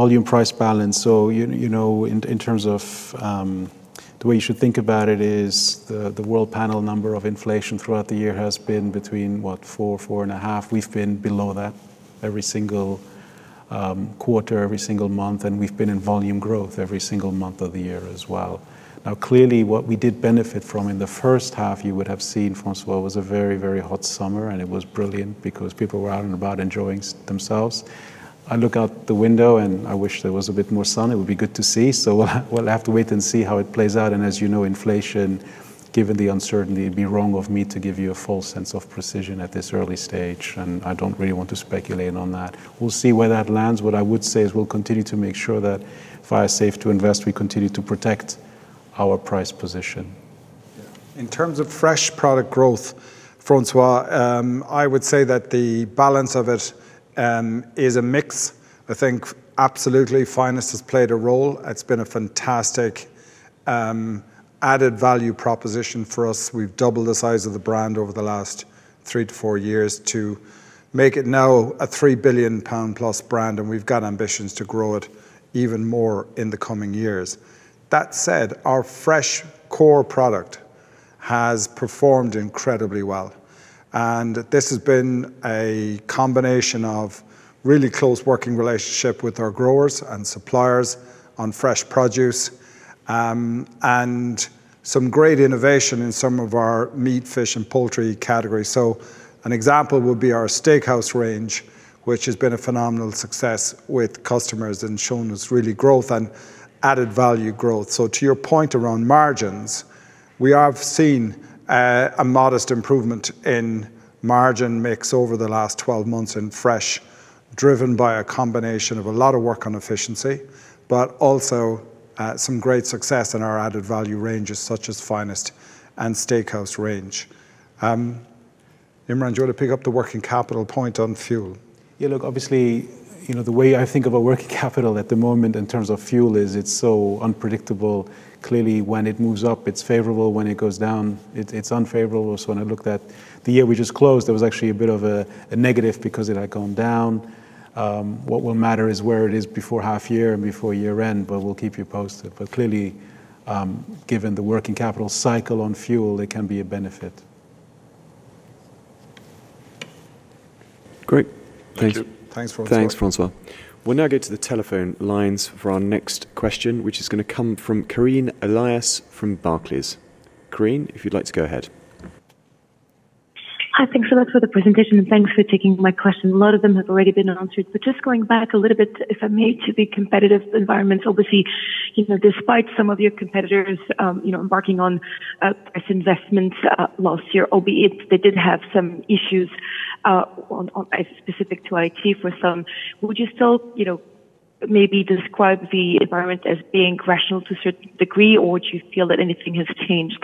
volume price balance, in terms of the way you should think about it is the Worldpanel number of inflation throughout the year has been between what? 4%-4.5%. We've been below that every single quarter, every single month, and we've been in volume growth every single month of the year as well. Now, clearly what we did benefit from in the first half you would have seen, François, was a very, very hot summer and it was brilliant because people were out and about enjoying themselves. I look out the window and I wish there was a bit more sun. It would be good to see. We'll have to wait and see how it plays out. As you know, inflation, given the uncertainty, it'd be wrong of me to give you a false sense of precision at this early stage and I don't really want to speculate on that. We'll see where that lands. What I would say is we'll continue to make sure that if we are safe to invest, we continue to protect our price position. In terms of fresh product growth, François, I would say that the balance of it is a mix. I think absolutely Finest has played a role. It's been a fantastic added value proposition for us. We've doubled the size of the brand over the last three to four years to make it now a 3+ billion pound brand and we've got ambitions to grow it even more in the coming years. That said, our fresh core product has performed incredibly well and this has been a combination of really close working relationship with our growers and suppliers on fresh produce and some great innovation in some of our meat, fish and poultry categories. An example would be our Finest Steakhouse range which has been a phenomenal success with customers and shown us real growth and added value growth. To your point around margins, we have seen a modest improvement in margin mix over the last 12 months in fresh driven by a combination of a lot of work on efficiency but also some great success in our added value ranges such as Finest and Steakhouse range. Imran, do you want to pick up the working capital point on fuel? Yeah, look, obviously the way I think of a working capital at the moment in terms of fuel is it's so unpredictable. Clearly when it moves up it's favorable, when it goes down it's unfavorable. When I looked at the year we just closed there was actually a bit of a negative because it had gone down. What will matter is where it is before half year and before year end, but we'll keep you posted. Clearly given the working capital cycle on fuel it can be a benefit. Great. Thank you. Thanks François. Thanks François. We'll now go to the telephone lines for our next question which is going to come from Karine Elias from Barclays. Karine, if you'd like to go ahead. Hi, thanks a lot for the presentation and thanks for taking my question. A lot of them have already been answered but just going back a little bit, if I may, to the competitive environment. Obviously, despite some of your competitors embarking on price investments last year, albeit they did have some issues specific to IT for some, would you still maybe describe the environment as being rational to a certain degree or do you feel that anything has changed?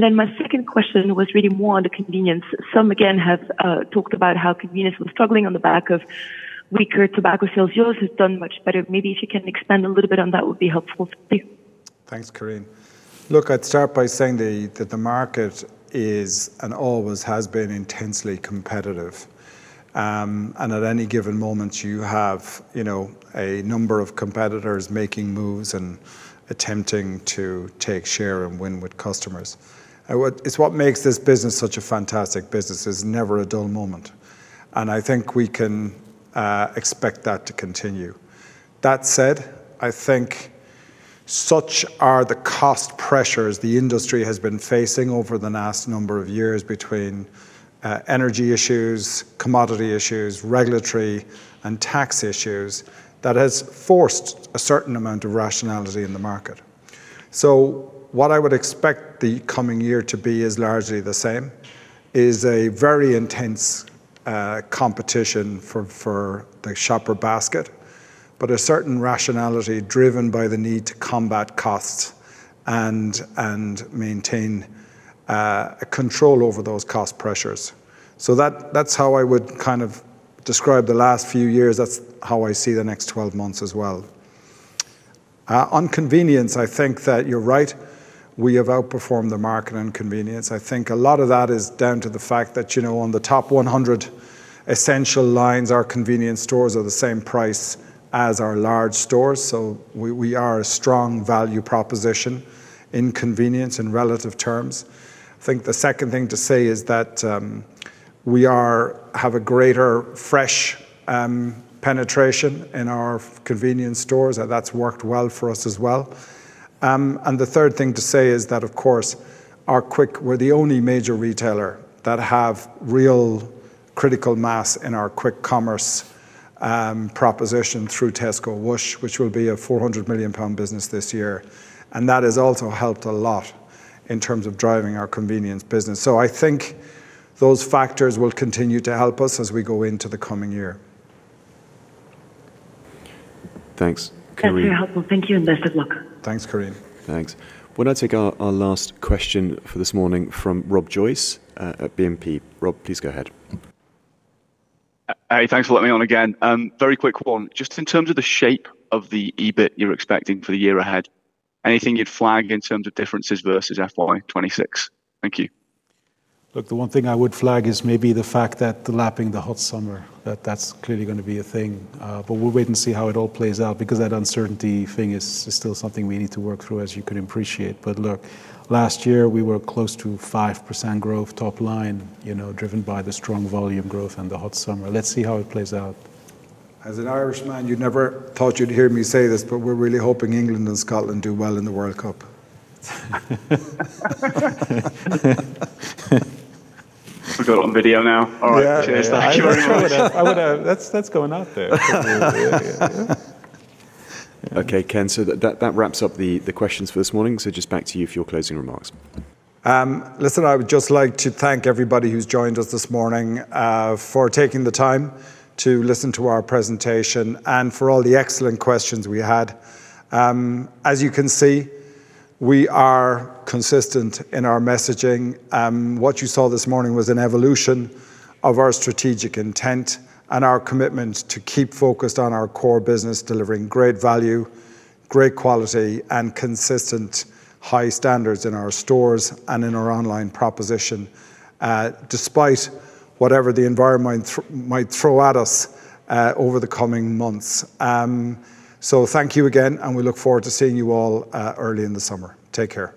Then my second question was really more on the convenience. Some again have talked about how convenience was struggling on the back of weaker tobacco sales. Yours has done much better. Maybe if you can expand a little bit on that would be helpful. Thank you. Thanks Karine. Look, I'd start by saying that the market is and always has been intensely competitive. At any given moment you have a number of competitors making moves and attempting to take share and win with customers. It's what makes this business such a fantastic business. There's never a dull moment and I think we can expect that to continue. That said, I think such are the cost pressures the industry has been facing over the last number of years between energy issues, commodity issues, regulatory and tax issues, that has forced a certain amount of rationality in the market. What I would expect the coming year to be is largely the same, is a very intense competition for the shopper basket, but a certain rationality driven by the need to combat costs and maintain a control over those cost pressures. That's how I would kind of describe the last few years. That's how I see the next 12 months as well. On convenience, I think that you're right. We have outperformed the market in convenience. I think a lot of that is down to the fact that, on the top 100 essential lines, our convenience stores are the same price as our large stores. We are a strong value proposition in convenience in relative terms. I think the second thing to say is that we have a greater fresh penetration in our convenience stores. That's worked well for us as well. The third thing to say is that, of course, we're the only major retailer that have real critical mass in our quick commerce proposition through Tesco Whoosh, which will be a 400 million pound business this year. That has also helped a lot in terms of driving our convenience business. I think those factors will continue to help us as we go into the coming year. Thanks, Karine. That's very helpful. Thank you, and best of luck. Thanks, Karine. Thanks. Why don't I take our last question for this morning from Rob Joyce at BNP. Rob, please go ahead. Hey, thanks for letting me on again. Very quick one. Just in terms of the shape of the EBIT you're expecting for the year ahead, anything you'd flag in terms of differences versus FY 2026? Thank you. Look, the one thing I would flag is maybe the fact that lapping the hot summer, that's clearly going to be a thing. We'll wait and see how it all plays out because that uncertainty thing is still something we need to work through, as you can appreciate. Look, last year we were close to 5% growth top line, driven by the strong volume growth and the hot summer. Let's see how it plays out. As an Irishman, you never thought you'd hear me say this, but we're really hoping England and Scotland do well in the World Cup. We've got it on video now. All right, cheers. Thank you very much. That's going out there. Yeah. Okay, Ken, so that wraps up the questions for this morning. Just back to you for your closing remarks. Listen, I would just like to thank everybody who's joined us this morning for taking the time to listen to our presentation and for all the excellent questions we had. As you can see, we are consistent in our messaging. What you saw this morning was an evolution of our strategic intent and our commitment to keep focused on our core business, delivering great value, great quality, and consistent high standards in our stores and in our online proposition, despite whatever the environment might throw at us over the coming months. Thank you again, and we look forward to seeing you all early in the summer. Take care.